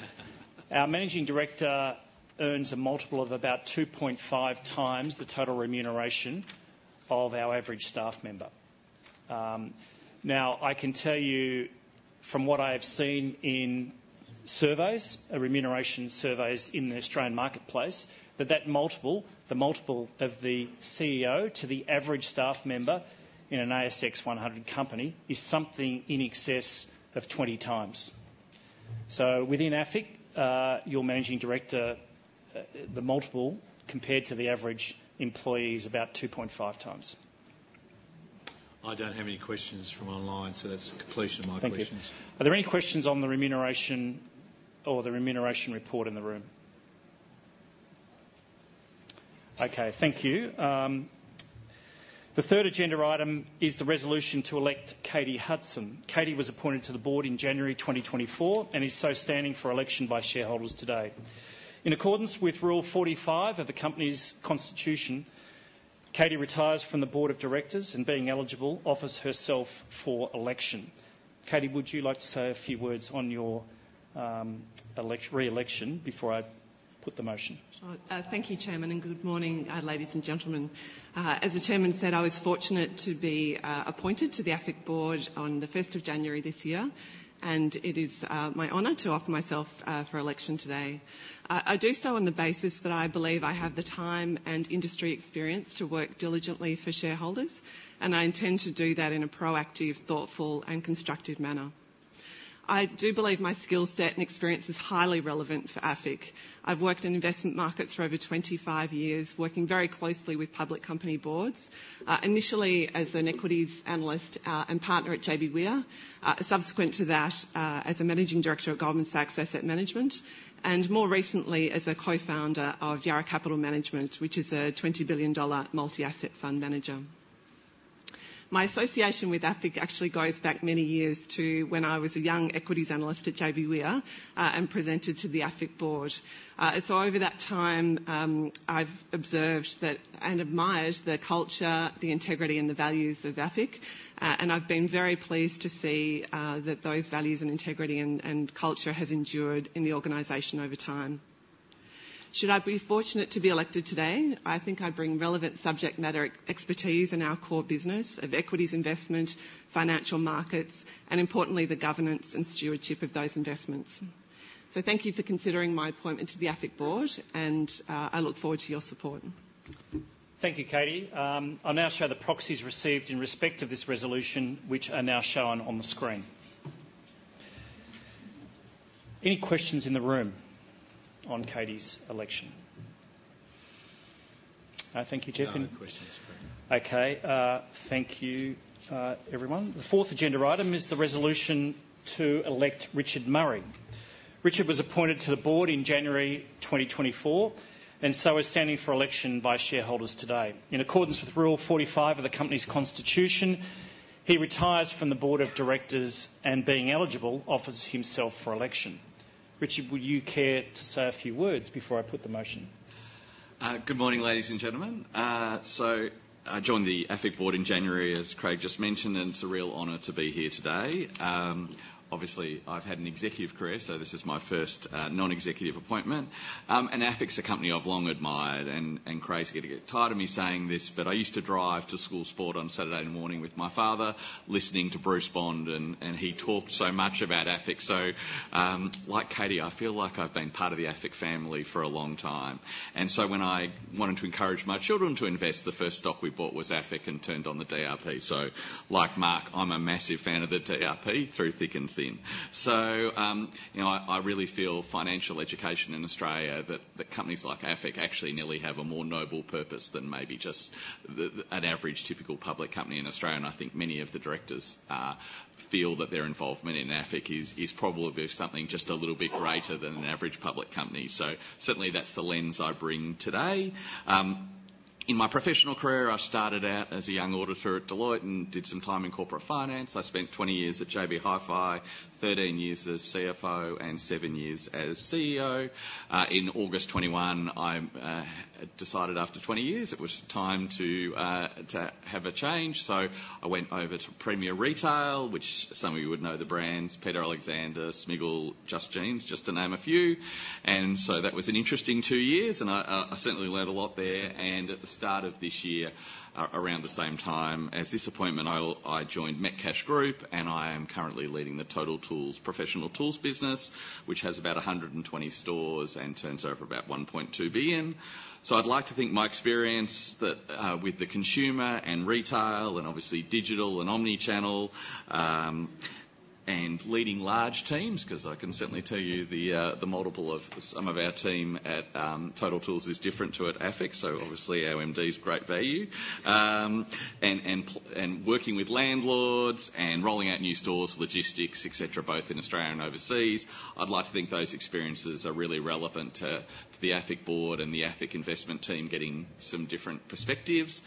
our managing director earns a multiple of about 2.5 times the total remuneration of our average staff member. Now, I can tell you from what I have seen in surveys, remuneration surveys in the Australian marketplace, that that multiple, the multiple of the CEO to the average staff member in an ASX 100 company, is something in excess of 20 times. Within AFIC, your managing director, the multiple compared to the average employee is about 2.5 times. I don't have any questions from online, so that's the completion of my questions. Thank you. Are there any questions on the remuneration or the remuneration report in the room? Okay, thank you. The third agenda item is the resolution to elect Katie Hudson. Katie was appointed to the board in January 2024, and is so standing for election by shareholders today. In accordance with Rule 45 of the company's constitution, Katie retires from the board of directors and, being eligible, offers herself for election. Katie, would you like to say a few words on your re-election before I put the motion? Sure. Thank you, Chairman, and good morning, ladies and gentlemen. As the chairman said, I was fortunate to be appointed to the AFIC board on the first of January this year, and it is my honor to offer myself for election today. I do so on the basis that I believe I have the time and industry experience to work diligently for shareholders, and I intend to do that in a proactive, thoughtful, and constructive manner. I do believe my skill set and experience is highly relevant for AFIC. I've worked in investment markets for over 25 years, working very closely with public company boards, initially as an equities analyst, and partner at JBWere. Subsequent to that, as a managing director at Goldman Sachs Asset Management, and more recently, as a co-founder of Yarra Capital Management, which is a AUD 20 billion multi-asset fund manager. My association with AFIC actually goes back many years to when I was a young equities analyst at JBWere, and presented to the AFIC board. Over that time, I've observed that, and admired the culture, the integrity, and the values of AFIC, and I've been very pleased to see, that those values and integrity and culture has endured in the organization over time. Should I be fortunate to be elected today, I think I bring relevant subject matter expertise in our core business of equities, investment, financial markets, and importantly, the governance and stewardship of those investments. Thank you for considering my appointment to the AFIC board, and I look forward to your support. Thank you, Katie. I'll now show the proxies received in respect of this resolution, which are now shown on the screen. Any questions in the room on Katie's election? Thank you, Jeff. No other questions, Craig. Okay, thank you, everyone. The fourth agenda item is the resolution to elect Richard Murray. Richard was appointed to the board in January 2024, and so is standing for election by shareholders today. In accordance with Rule 45 of the company's constitution, he retires from the board of directors and, being eligible, offers himself for election. Richard, would you care to say a few words before I put the motion? Good morning, ladies and gentlemen. I joined the AFIC board in January, as Craig just mentioned, and it's a real honor to be here today. Obviously, I've had an executive career, so this is my first non-executive appointment. And AFIC's a company I've long admired, and Craig's going to get tired of me saying this, but I used to drive to school sport on Saturday morning with my father, listening to Bruce Bond, and he talked so much about AFIC. Like Katie, I feel like I've been part of the AFIC family for a long time. When I wanted to encourage my children to invest, the first stock we bought was AFIC and turned on the DRP. So like Mark, I'm a massive fan of the DRP, through thick and thin. I really feel financial education in Australia that companies like AFIC actually nearly have a more noble purpose than maybe just an average typical public company in Australia. I think many of the directors feel that their involvement in AFIC is probably something just a little bit greater than an average public company. Certainly that's the lens I bring today. In my professional career, I started out as a young auditor at Deloitte and did some time in corporate finance. I spent 20 years at JB Hi-Fi, 13 years as CFO and 7 years as CEO. In August 2021, I decided after 20 years it was time to have a change. I went over to Premier Retail, which some of you would know the brands, Peter Alexander, Smiggle, Just Jeans, just to name a few. That was an interesting two years, and I certainly learned a lot there. And at the start of this year, around the same time as this appointment, I joined Metcash Group, and I am currently leading the Total Tools professional tools business, which has about 120 stores and turns over about 1.2 billion. I'd like to think my experience that with the consumer and retail, and obviously digital and omni-channel, and leading large teams, 'cause I can certainly tell you the multiple of some of our team at Total Tools is different to at AFIC, so obviously our MD is great value. working with landlords and rolling out new stores, logistics, etc., both in Australia and overseas. I'd like to think those experiences are really relevant to the AFIC board and the AFIC investment team getting some different perspectives.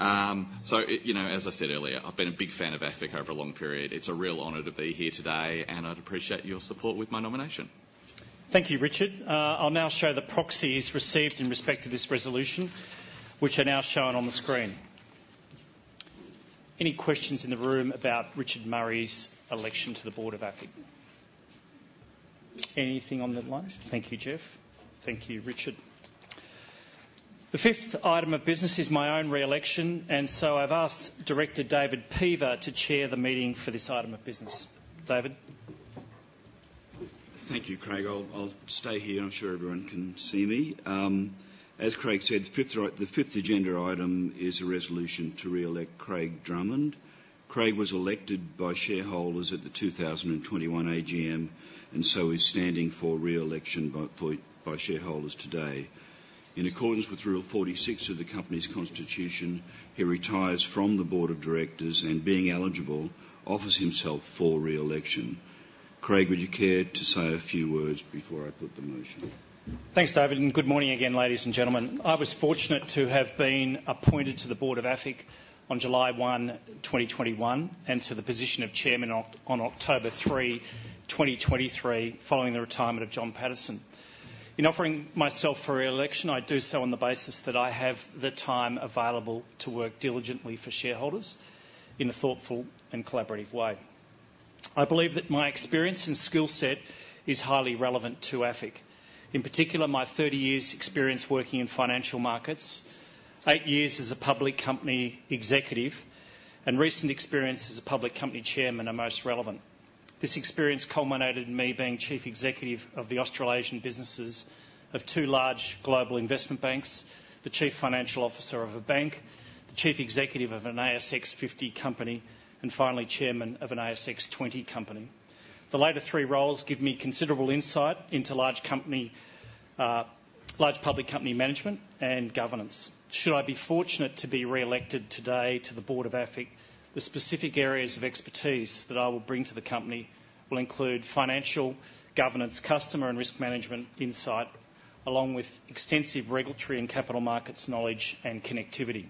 As I said earlier, I've been a big fan of AFIC over a long period. It's a real honor to be here today, and I'd appreciate your support with my nomination. Thank you, Richard. I'll now show the proxies received in respect to this resolution, which are now shown on the screen. Any questions in the room about Richard Murray's election to the board of AFIC? Anything online? Thank you, Jeff. Thank you, Richard. The fifth item of business is my own re-election, and so I've asked Director David Peever to chair the meeting for this item of business. David? Thank you, Craig. I'll stay here. I'm sure everyone can see me. As Craig said, the fifth agenda item is a resolution to re-elect Craig Drummond. Craig was elected by shareholders at the two thousand and 21 AGM, and so he's standing for re-election by shareholders today. In accordance with Rule 46 of the company's constitution, he retires from the board of directors, and being eligible, offers himself for re-election. Craig, would you care to say a few words before I put the motion? Thanks, David, and good morning again, ladies and gentlemen. I was fortunate to have been appointed to the board of AFIC on July one, 2021 and to the position of chairman on October three 2023 following the retirement of John Paterson. In offering myself for re-election, I do so on the basis that I have the time available to work diligently for shareholders in a thoughtful and collaborative way. I believe that my experience and skill set is highly relevant to AFIC. In particular, my thirty years experience working in financial markets, eight years as a public company executive, and recent experience as a public company chairman, are most relevant. This experience culminated in me being chief executive of the Australasian businesses of two large global investment banks, the chief financial officer of a bank, the chief executive of an ASX 50 company, and finally, chairman of an ASX 20 company. The latter three roles give me considerable insight into large company, large public company management and governance. Should I be fortunate to be re-elected today to the board of AFIC, the specific areas of expertise that I will bring to the company will include financial, governance, customer, and risk management insight, along with extensive regulatory and capital markets knowledge and connectivity.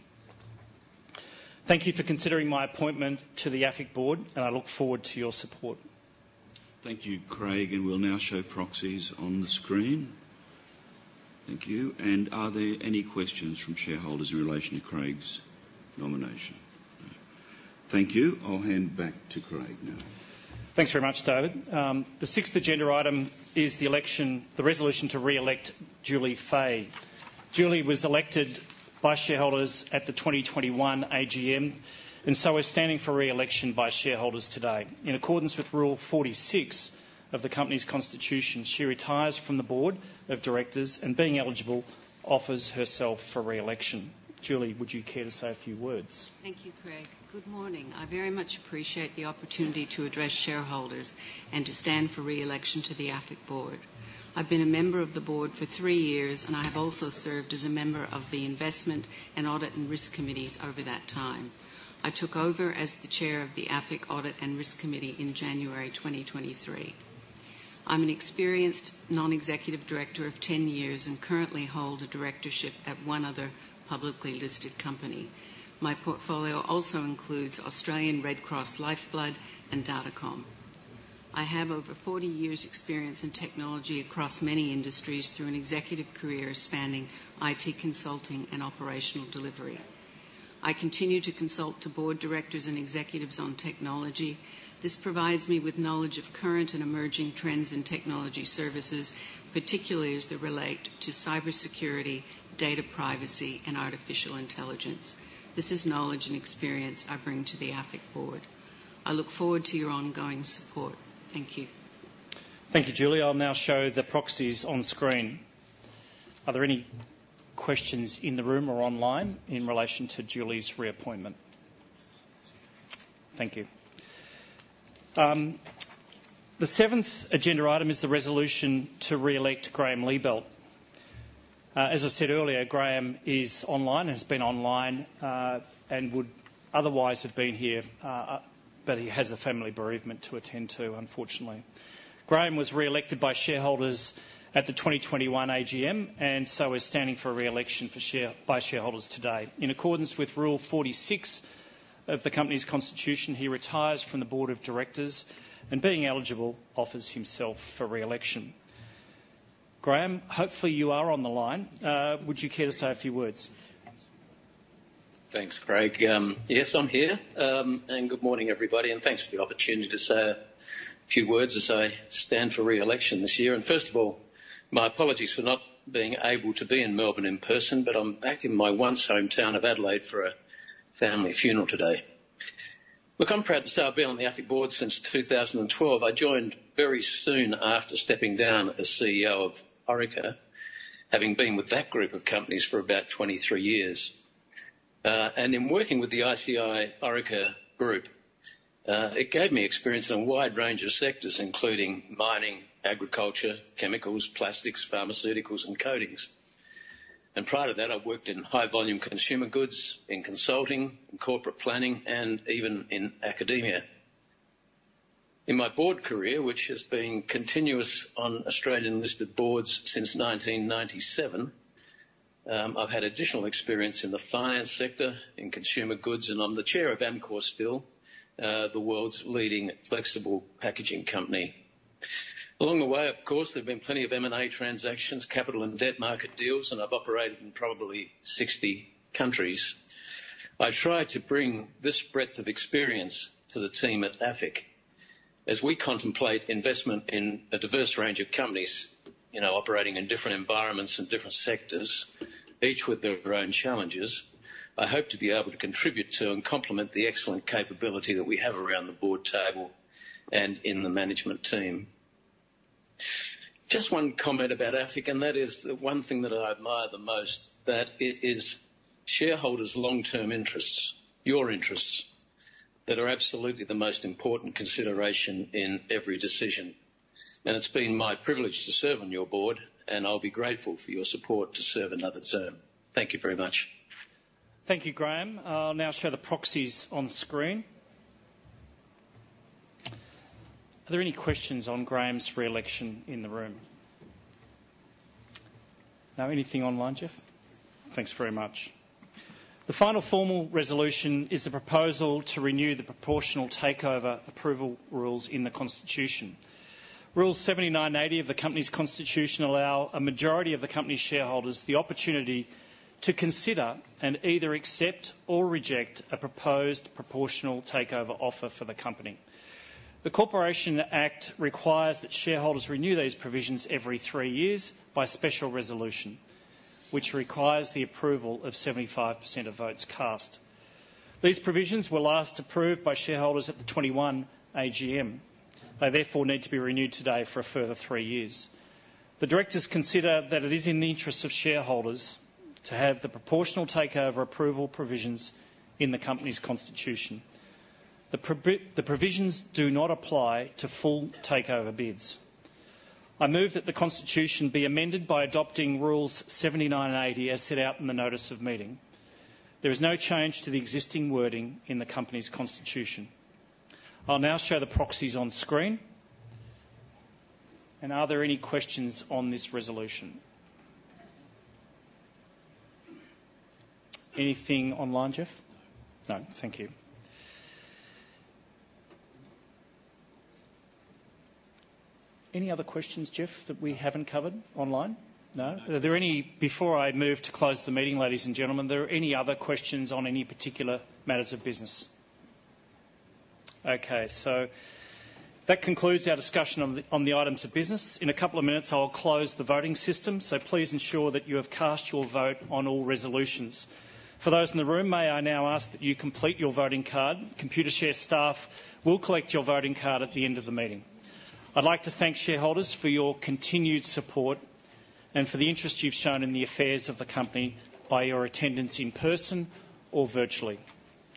Thank you for considering my appointment to the AFIC board, and I look forward to your support. Thank you, Craig, and we'll now show proxies on the screen. Thank you. And are there any questions from shareholders in relation to Craig's nomination? Thank you. I'll hand back to Craig now. Thanks very much, David. The sixth agenda item is the election, the resolution to re-elect Julie Fahey. Julie was elected by shareholders at the 2021 AGM, and so is standing for re-election by shareholders today. In accordance with Rule 46 of the company's constitution, she retires from the Board of Directors, and being eligible, offers herself for re-election. Julie, would you care to say a few words? Thank you, Craig. Good morning. I very much appreciate the opportunity to address shareholders and to stand for re-election to the AFIC board. I've been a member of the board for three years, and I have also served as a member of the investment and audit and risk committees over that time. I took over as the chair of the AFIC Audit and Risk Committee in January 2023. I'm an experienced non-executive director of 10 years and currently hold a directorship at one other publicly listed company. My portfolio also includes Australian Red Cross Lifeblood and Datacom. I have over 40 years' experience in technology across many industries through an executive career spanning IT consulting and operational delivery. I continue to consult to board directors and executives on technology. This provides me with knowledge of current and emerging trends in technology services, particularly as they relate to cybersecurity, data privacy, and artificial intelligence. This is knowledge and experience I bring to the AFIC board. I look forward to your ongoing support. Thank you. Thank you, Julie. I'll now show the proxies on screen. Are there any questions in the room or online in relation to Julie's reappointment? Thank you. The seventh agenda item is the resolution to re-elect Graham Liebelt. As I said earlier, Graham is online and has been online, and would otherwise have been here, but he has a family bereavement to attend to, unfortunately. Graham was re-elected by shareholders at the 2021 AGM, and so is standing for a re-election by shareholders today. In accordance with Rule 46 of the company's constitution, he retires from the board of directors and, being eligible, offers himself for re-election. Graham, hopefully, you are on the line. Would you care to say a few words? Thanks, Craig. Yes, I'm here, and good morning, everybody, and thanks for the opportunity to say a few words as I stand for re-election this year. First of all, my apologies for not being able to be in Melbourne in person, but I'm back in my once hometown of Adelaide for a family funeral today. Look, I'm proud to say I've been on the AFIC board since 2012. I joined very soon after stepping down as CEO of Orica, having been with that group of companies for about 23 years. And in working with the ICI Orica group, it gave me experience in a wide range of sectors, including mining, agriculture, chemicals, plastics, pharmaceuticals, and coatings. Prior to that, I've worked in high-volume consumer goods, in consulting, in corporate planning, and even in academia. In my board career, which has been continuous on Australian listed boards since nineteen ninety-seven, I've had additional experience in the finance sector, in consumer goods, and I'm the chair of Amcor, the world's leading flexible packaging company. Along the way, of course, there have been plenty of M&A transactions, capital and debt market deals, and I've operated in probably 60 countries. I try to bring this breadth of experience to the team at AFIC as we contemplate investment in a diverse range of companies operating in different environments and different sectors, each with their own challenges. I hope to be able to contribute to and complement the excellent capability that we have around the board table and in the management team. Just one comment about AFIC, and that is the one thing that I admire the most, that it is shareholders' long-term interests, your interests, that are absolutely the most important consideration in every decision. It's been my privilege to serve on your board, and I'll be grateful for your support to serve another term. Thank you very much. Thank you, Graham. I'll now show the proxies on screen. Are there any questions on Graham's reelection in the room? No. Anything online, Jeff? Thanks very much. The final formal resolution is the proposal to renew the proportional takeover approval rules in the constitution. Rule seventy-nine, eighty of the company's constitution allow a majority of the company's shareholders the opportunity to consider and either accept or reject a proposed proportional takeover offer for the company. The Corporations Act requires that shareholders renew these provisions every three years by special resolution, which requires the approval of 75% of votes cast. These provisions were last approved by shareholders at the 2021 AGM. They therefore need to be renewed today for a further three years. The directors consider that it is in the interest of shareholders to have the proportional takeover approval provisions in the company's constitution. The provisions do not apply to full takeover bids. I move that the constitution be amended by adopting Rules seventy-nine and eighty, as set out in the notice of meeting. There is no change to the existing wording in the company's constitution. I'll now show the proxies on screen. Are there any questions on this resolution? Anything online, Jeff? No, thank you. Any other questions, Jeff, that we haven't covered online? No. Are there any? Before I move to close the meeting, ladies and gentlemen, are there any other questions on any particular matters of business? Okay, so that concludes our discussion on the items of business. In a couple of minutes, I will close the voting system, so please ensure that you have cast your vote on all resolutions. For those in the room, may I now ask that you complete your voting card. Computershare staff will collect your voting card at the end of the meeting. I'd like to thank shareholders for your continued support and for the interest you've shown in the affairs of the company by your attendance in person or virtually.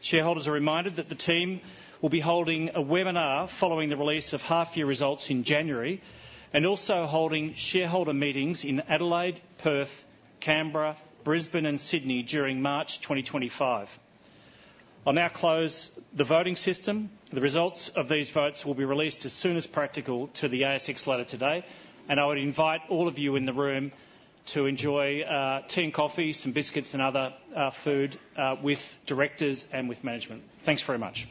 Shareholders are reminded that the team will be holding a webinar following the release of half-year results in January, and also holding shareholder meetings in Adelaide, Perth, Canberra, Brisbane, and Sydney during March 2025. I'll now close the voting system. The results of these votes will be released as soon as practical to the ASX later today, and I would invite all of you in the room to enjoy tea and coffee, some biscuits, and other food with directors and with management. Thanks very much.